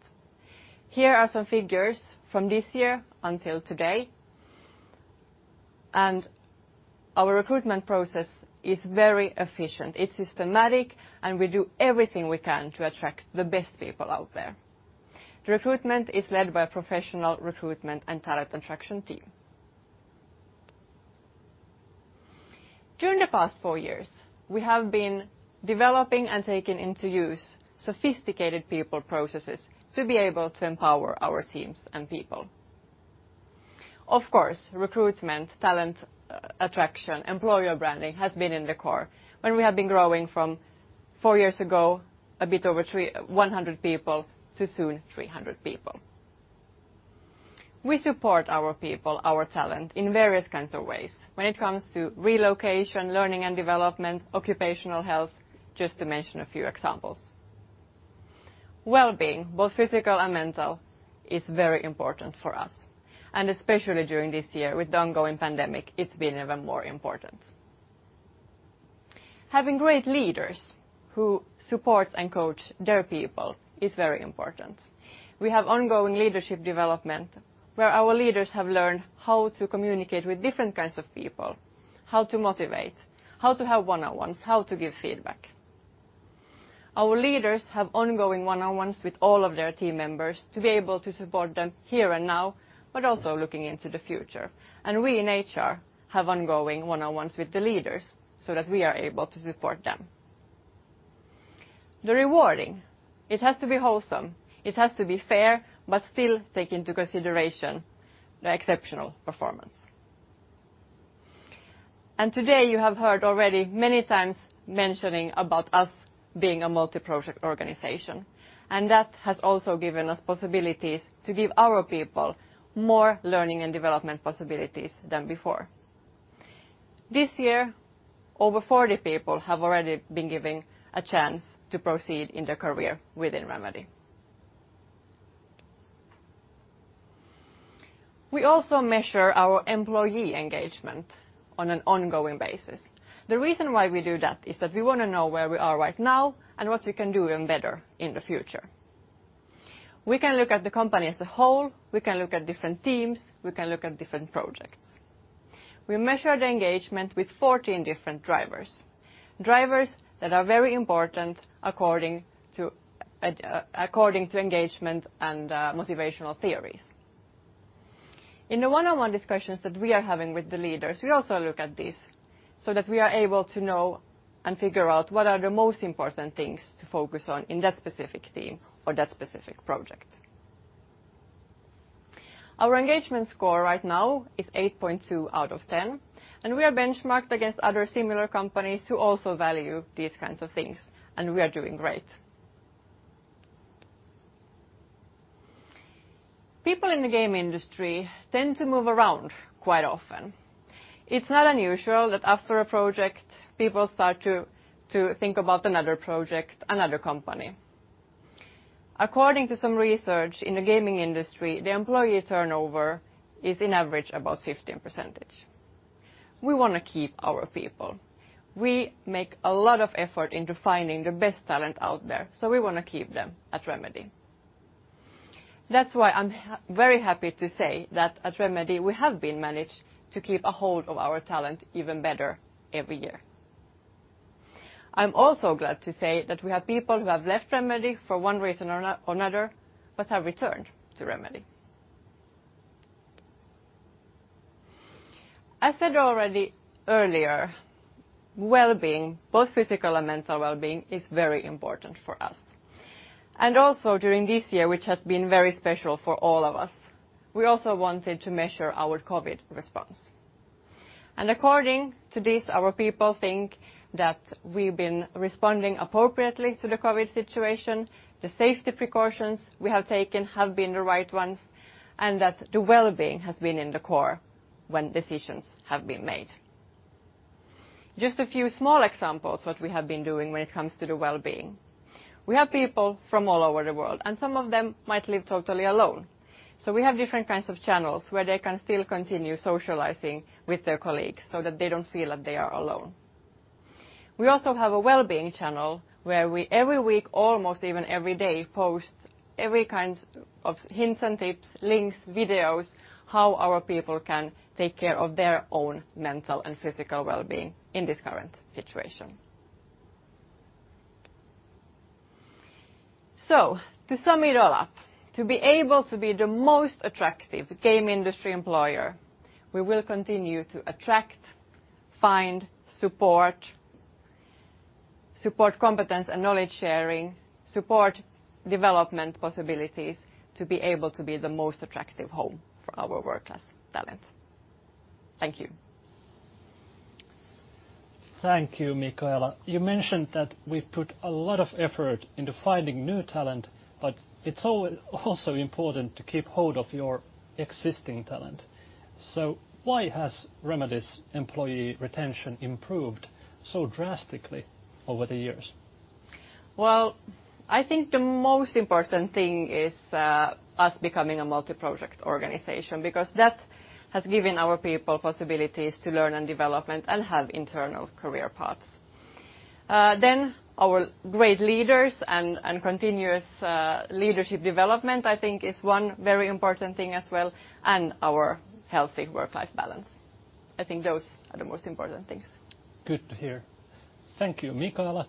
Here are some figures from this year until today. Our recruitment process is very efficient. It is systematic, and we do everything we can to attract the best people out there. The recruitment is led by a professional recruitment and talent attraction team. During the past four years, we have been developing and taking into use sophisticated people processes to be able to empower our teams and people. Of course, recruitment, talent attraction, employer branding has been in the core when we have been growing from four years ago, a bit over 100 people, to soon 300 people. We support our people, our talent, in various kinds of ways when it comes to relocation, learning and development, occupational health, just to mention a few examples. Well-being, both physical and mental, is very important for us. Especially during this year with the ongoing pandemic, it's been even more important. Having great leaders who support and coach their people is very important. We have ongoing leadership development where our leaders have learned how to communicate with different kinds of people, how to motivate, how to have one-on-ones, how to give feedback. Our leaders have ongoing one-on-ones with all of their team members to be able to support them here and now, but also looking into the future. We in HR have ongoing one-on-ones with the leaders so that we are able to support them. The rewarding, it has to be wholesome. It has to be fair, but still take into consideration the exceptional performance. Today, you have heard already many times mentioning about us being a multi-project organization. That has also given us possibilities to give our people more learning and development possibilities than before. This year, over 40 people have already been given a chance to proceed in their career within Remedy. We also measure our employee engagement on an ongoing basis. The reason why we do that is that we want to know where we are right now and what we can do even better in the future. We can look at the company as a whole. We can look at different teams. We can look at different projects. We measure the engagement with 14 different drivers, drivers that are very important according to engagement and motivational theories. In the one-on-one discussions that we are having with the leaders, we also look at this so that we are able to know and figure out what are the most important things to focus on in that specific team or that specific project. Our engagement score right now is 8.2 out of 10, and we are benchmarked against other similar companies who also value these kinds of things, and we are doing great. People in the game industry tend to move around quite often. It's not unusual that after a project, people start to think about another project, another company. According to some research in the gaming industry, the employee turnover is in average about 15%. We want to keep our people. We make a lot of effort into finding the best talent out there, so we want to keep them at Remedy. That's why I'm very happy to say that at Remedy, we have been managed to keep a hold of our talent even better every year. I'm also glad to say that we have people who have left Remedy for one reason or another, but have returned to Remedy. I said already earlier, well-being, both physical and mental well-being, is very important for us. Also during this year, which has been very special for all of us, we wanted to measure our COVID response. According to this, our people think that we've been responding appropriately to the COVID situation. The safety precautions we have taken have been the right ones, and that the well-being has been in the core when decisions have been made. Just a few small examples of what we have been doing when it comes to the well-being. We have people from all over the world, and some of them might live totally alone. We have different kinds of channels where they can still continue socializing with their colleagues so that they don't feel that they are alone. We also have a well-being channel where we every week, almost even every day, post every kind of hints and tips, links, videos, how our people can take care of their own mental and physical well-being in this current situation. To sum it all up, to be able to be the most attractive game industry employer, we will continue to attract, find, support, support competence and knowledge sharing, support development possibilities to be able to be the most attractive home for our world-class talent. Thank you. Thank you, Mikaela. You mentioned that we put a lot of effort into finding new talent, but it's also important to keep hold of your existing talent. Why has Remedy's employee retention improved so drastically over the years? I think the most important thing is us becoming a multi-project organization because that has given our people possibilities to learn and develop and have internal career paths. Then our great leaders and continuous leadership development, I think, is one very important thing as well, and our healthy work-life balance. I think those are the most important things. Good to hear. Thank you, Mikaela.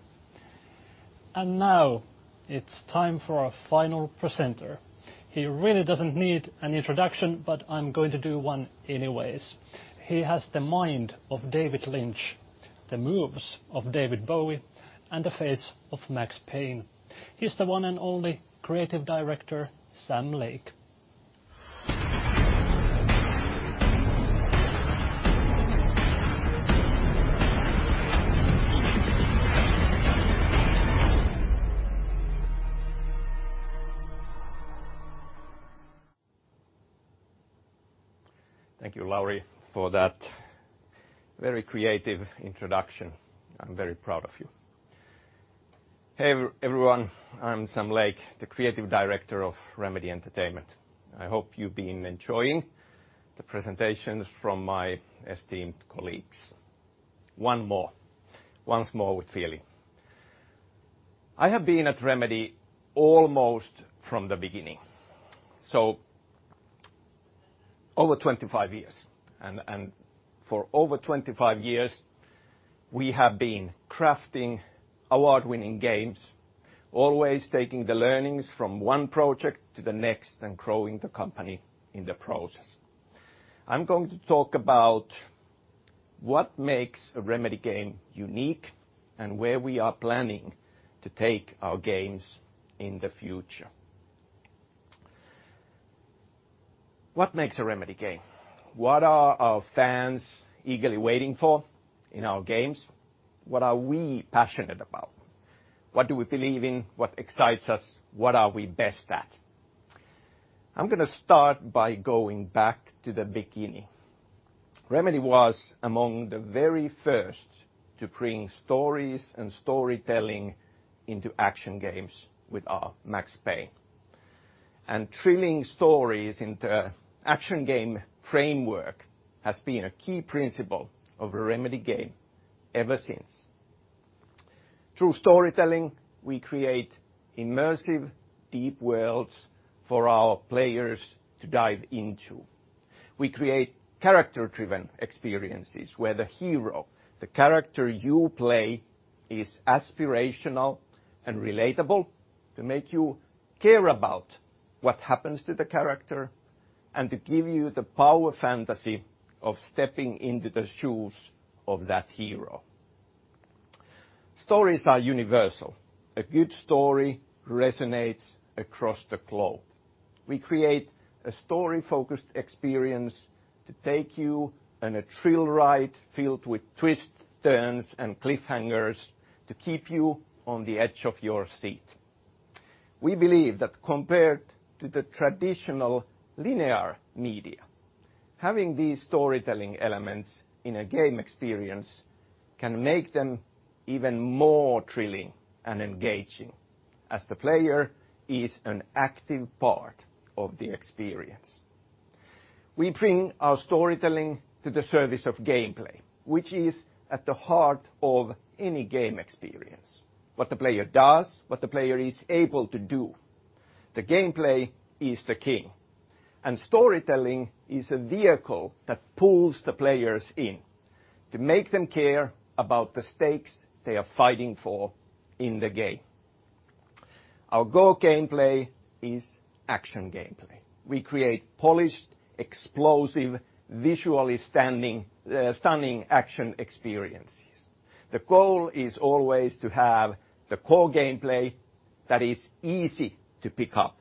Now it's time for our final presenter. He really doesn't need an introduction, but I'm going to do one anyways. He has the mind of David Lynch, the moves of David Bowie, and the face of Max Payne. He's the one and only creative director, Sam Lake. Thank you, Lauri, for that very creative introduction. I'm very proud of you. Hey, everyone. I'm Sam Lake, the creative director of Remedy Entertainment. I hope you've been enjoying the presentations from my esteemed colleagues. Once more with feeling. I have been at Remedy almost from the beginning, so over 25 years. And for over 25 years, we have been crafting award-winning games, always taking the learnings from one project to the next and growing the company in the process. I'm going to talk about what makes a Remedy game unique and where we are planning to take our games in the future. What makes a Remedy game? What are our fans eagerly waiting for in our games? What are we passionate about? What do we believe in? What excites us? What are we best at? I'm going to start by going back to the beginning. Remedy was among the very first to bring stories and storytelling into action games with our Max Payne. Thrilling stories into action game framework has been a key principle of a Remedy game ever since. Through storytelling, we create immersive, deep worlds for our players to dive into. We create character-driven experiences where the hero, the character you play, is aspirational and relatable to make you care about what happens to the character and to give you the power fantasy of stepping into the shoes of that hero. Stories are universal. A good story resonates across the globe. We create a story-focused experience to take you on a thrill ride filled with twists, turns, and cliffhangers to keep you on the edge of your seat. We believe that compared to the traditional linear media, having these storytelling elements in a game experience can make them even more thrilling and engaging as the player is an active part of the experience. We bring our storytelling to the service of gameplay, which is at the heart of any game experience. What the player does, what the player is able to do. The gameplay is the king. Storytelling is a vehicle that pulls the players in to make them care about the stakes they are fighting for in the game. Our goal gameplay is action gameplay. We create polished, explosive, visually stunning action experiences. The goal is always to have the core gameplay that is easy to pick up,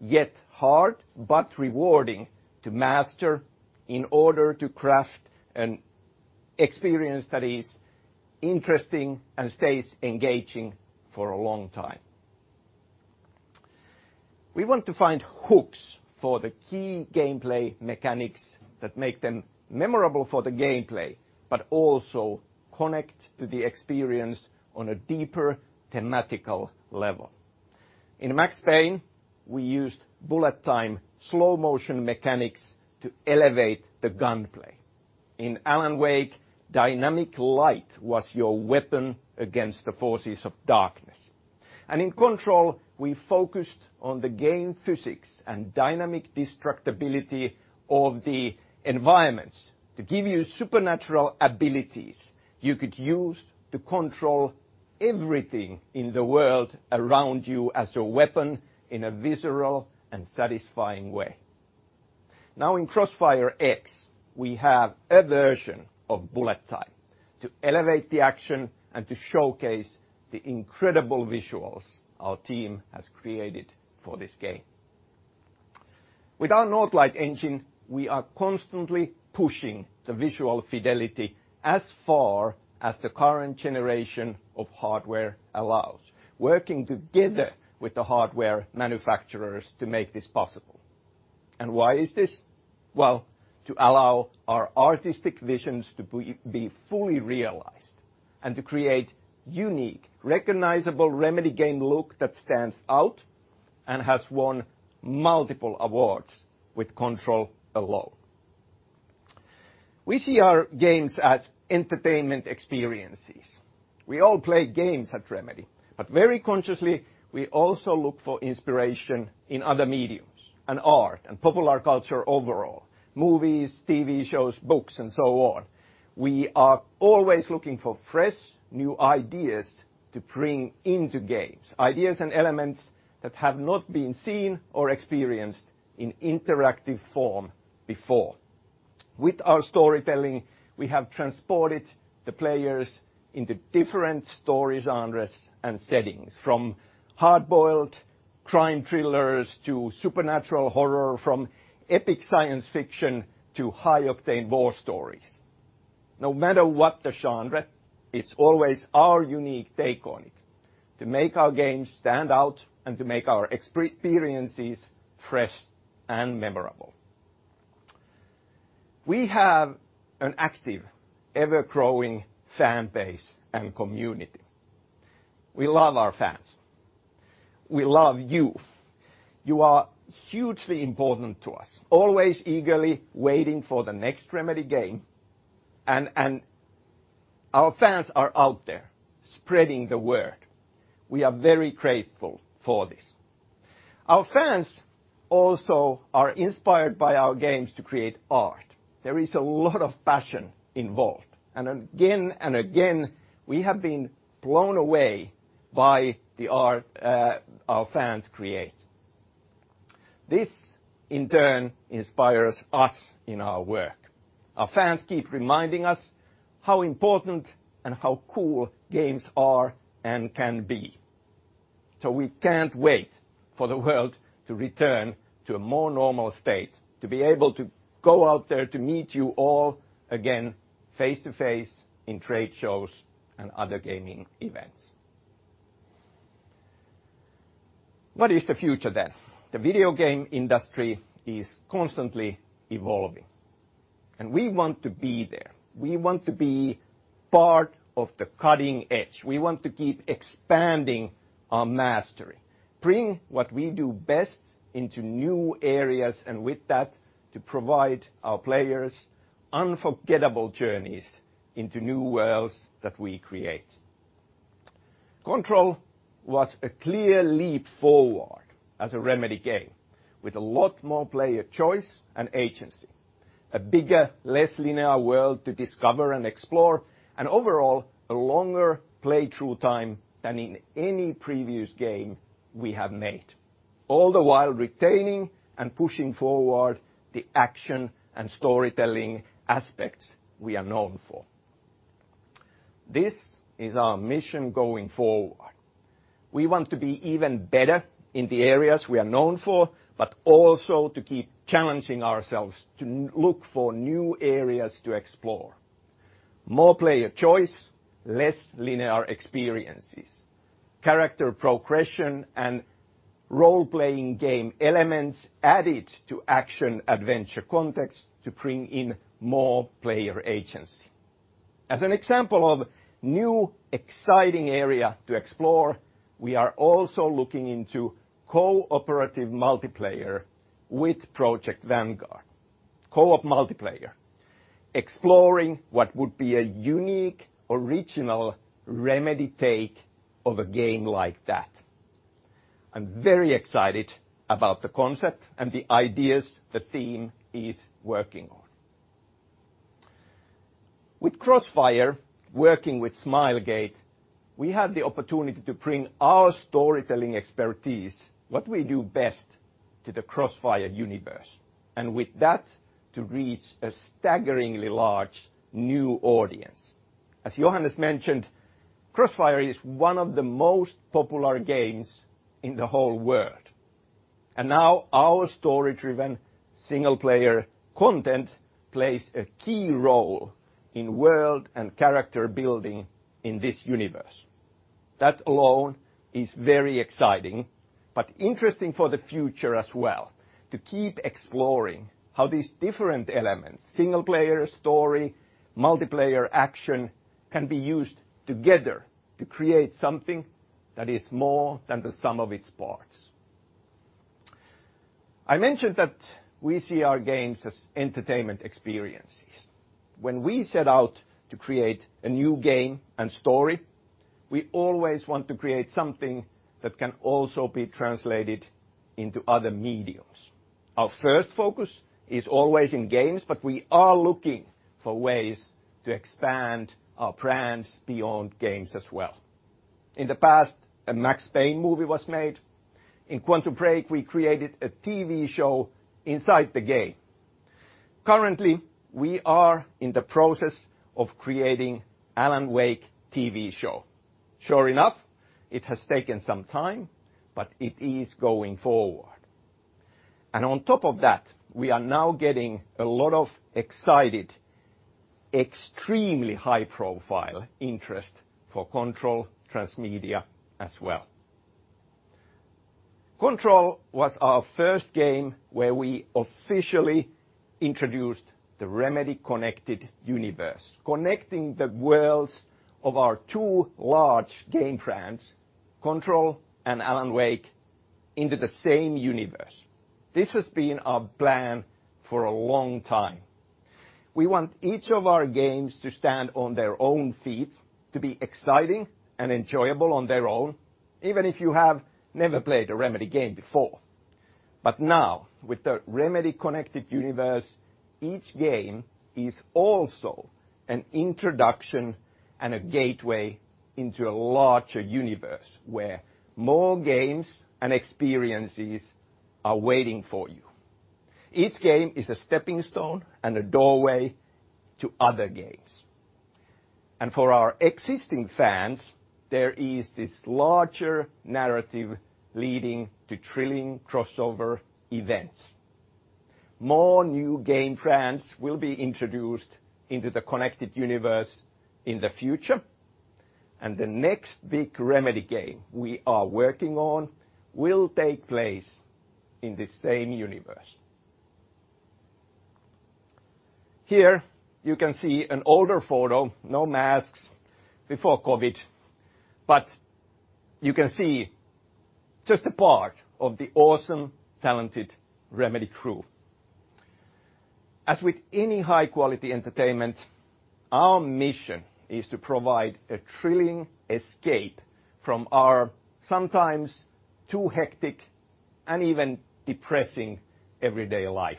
yet hard, but rewarding to master in order to craft an experience that is interesting and stays engaging for a long time. We want to find hooks for the key gameplay mechanics that make them memorable for the gameplay, but also connect to the experience on a deeper thematical level. In Max Payne, we used bullet time slow motion mechanics to elevate the gunplay. In Alan Wake, dynamic light was your weapon against the forces of darkness. In Control, we focused on the game physics and dynamic destructibility of the environments to give you supernatural abilities you could use to control everything in the world around you as a weapon in a visceral and satisfying way. In Crossfire X, we have a version of bullet time to elevate the action and to showcase the incredible visuals our team has created for this game. With our Northlight engine, we are constantly pushing the visual fidelity as far as the current generation of hardware allows, working together with the hardware manufacturers to make this possible. This is to allow our artistic visions to be fully realized and to create a unique, recognizable Remedy game look that stands out and has won multiple awards with Control alone. We see our games as entertainment experiences. We all play games at Remedy, but very consciously, we also look for inspiration in other mediums and art and popular culture overall, movies, TV shows, books, and so on. We are always looking for fresh new ideas to bring into games, ideas and elements that have not been seen or experienced in interactive form before. With our storytelling, we have transported the players into different story genres and settings, from hard-boiled crime thrillers to supernatural horror, from epic science fiction to high-octane war stories. No matter what the genre, it's always our unique take on it to make our games stand out and to make our experiences fresh and memorable. We have an active, ever-growing fan base and community. We love our fans. We love you. You are hugely important to us, always eagerly waiting for the next Remedy game. Our fans are out there spreading the word. We are very grateful for this. Our fans also are inspired by our games to create art. There is a lot of passion involved. Again and again, we have been blown away by the art our fans create. This, in turn, inspires us in our work. Our fans keep reminding us how important and how cool games are and can be. We can't wait for the world to return to a more normal state to be able to go out there to meet you all again face to face in trade shows and other gaming events. What is the future then? The video game industry is constantly evolving. We want to be there. We want to be part of the cutting edge. We want to keep expanding our mastery, bring what we do best into new areas, and with that, to provide our players unforgettable journeys into new worlds that we create. Control was a clear leap forward as a Remedy game with a lot more player choice and agency, a bigger, less linear world to discover and explore, and overall, a longer play-through time than in any previous game we have made, all the while retaining and pushing forward the action and storytelling aspects we are known for. This is our mission going forward. We want to be even better in the areas we are known for, but also to keep challenging ourselves to look for new areas to explore. More player choice, less linear experiences, character progression, and role-playing game elements added to action adventure context to bring in more player agency. As an example of a new exciting area to explore, we are also looking into cooperative multiplayer with Project Vanguard, co-op multiplayer, exploring what would be a unique original Remedy take of a game like that. I'm very excited about the concept and the ideas the team is working on. With Crossfire, working with Smilegate, we had the opportunity to bring our storytelling expertise, what we do best, to the Crossfire universe, and with that, to reach a staggeringly large new audience. As Johannes mentioned, Crossfire is one of the most popular games in the whole world. Now our story-driven single-player content plays a key role in world and character building in this universe. That alone is very exciting, but interesting for the future as well, to keep exploring how these different elements, single-player story, multiplayer action, can be used together to create something that is more than the sum of its parts. I mentioned that we see our games as entertainment experiences. When we set out to create a new game and story, we always want to create something that can also be translated into other mediums. Our first focus is always in games, but we are looking for ways to expand our brands beyond games as well. In the past, a Max Payne movie was made. In Quantum Break, we created a TV show inside the game. Currently, we are in the process of creating an Alan Wake TV show. Sure enough, it has taken some time, but it is going forward. On top of that, we are now getting a lot of excited, extremely high-profile interest for Control transmedia as well. Control was our first game where we officially introduced the Remedy Connected niverse, connecting the worlds of our two large game brands, Control and Alan Wake, into the same universe. This has been our plan for a long time. We want each of our games to stand on their own feet, to be exciting and enjoyable on their own, even if you have never played a Remedy game before. Now, with the Remedy Connected Universe, each game is also an introduction and a gateway into a larger universe where more games and experiences are waiting for you. Each game is a stepping stone and a doorway to other games. For our existing fans, there is this larger narrative leading to thrilling crossover events. More new game brands will be introduced into the connected universe in the future. The next big Remedy game we are working on will take place in the same universe. Here you can see an older photo, no masks before COVID, but you can see just a part of the awesome, talented Remedy crew. As with any high-quality entertainment, our mission is to provide a thrilling escape from our sometimes too hectic and even depressing everyday life.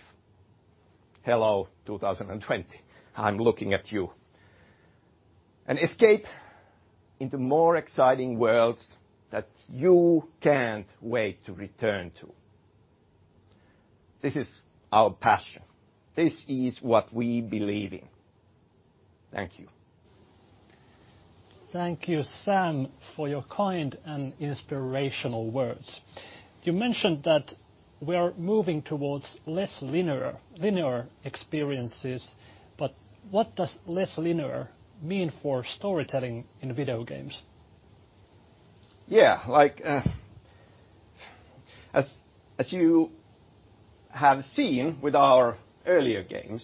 Hello, 2020. I'm looking at you. An escape into more exciting worlds that you can't wait to return to. This is our passion. This is what we believe in. Thank you. Thank you, Sam, for your kind and inspirational words. You mentioned that we are moving towards less linear experiences, but what does less linear mean for storytelling in video games? Yeah, like as you have seen with our earlier games,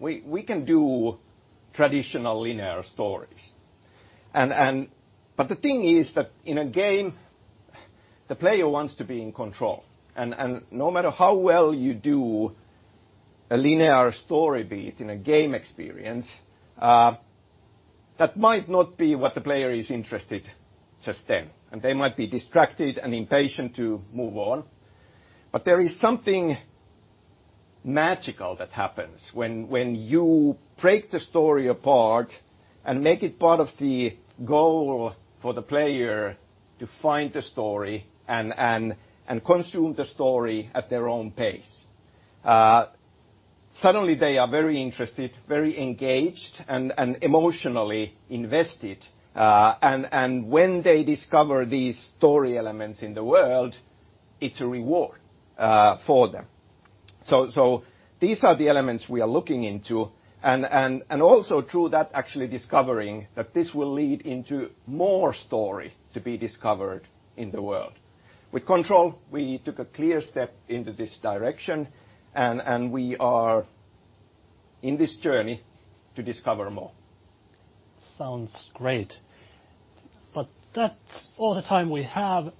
we can do traditional linear stories. The thing is that in a game, the player wants to be in control. No matter how well you do a linear story beat in a game experience, that might not be what the player is interested in just then. They might be distracted and impatient to move on. There is something magical that happens when you break the story apart and make it part of the goal for the player to find the story and consume the story at their own pace. Suddenly, they are very interested, very engaged, and emotionally invested. When they discover these story elements in the world, it's a reward for them. These are the elements we are looking into. Also through that, actually discovering that this will lead into more story to be discovered in the world. With Control, we took a clear step into this direction, and we are in this journey to discover more. Sounds great. That is all the time we have.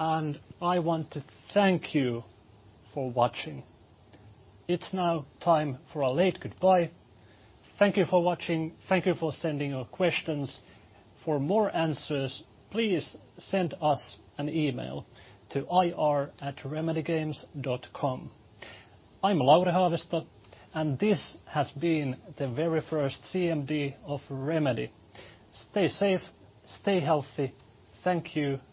I want to thank you for watching. It is now time for a late goodbye. Thank you for watching. Thank you for sending your questions. For more answers, please send us an email to ir@remedygames.com. I am Lauri Haavisto, and this has been the very first CMD of Remedy. Stay safe, stay healthy. Thank you. Good.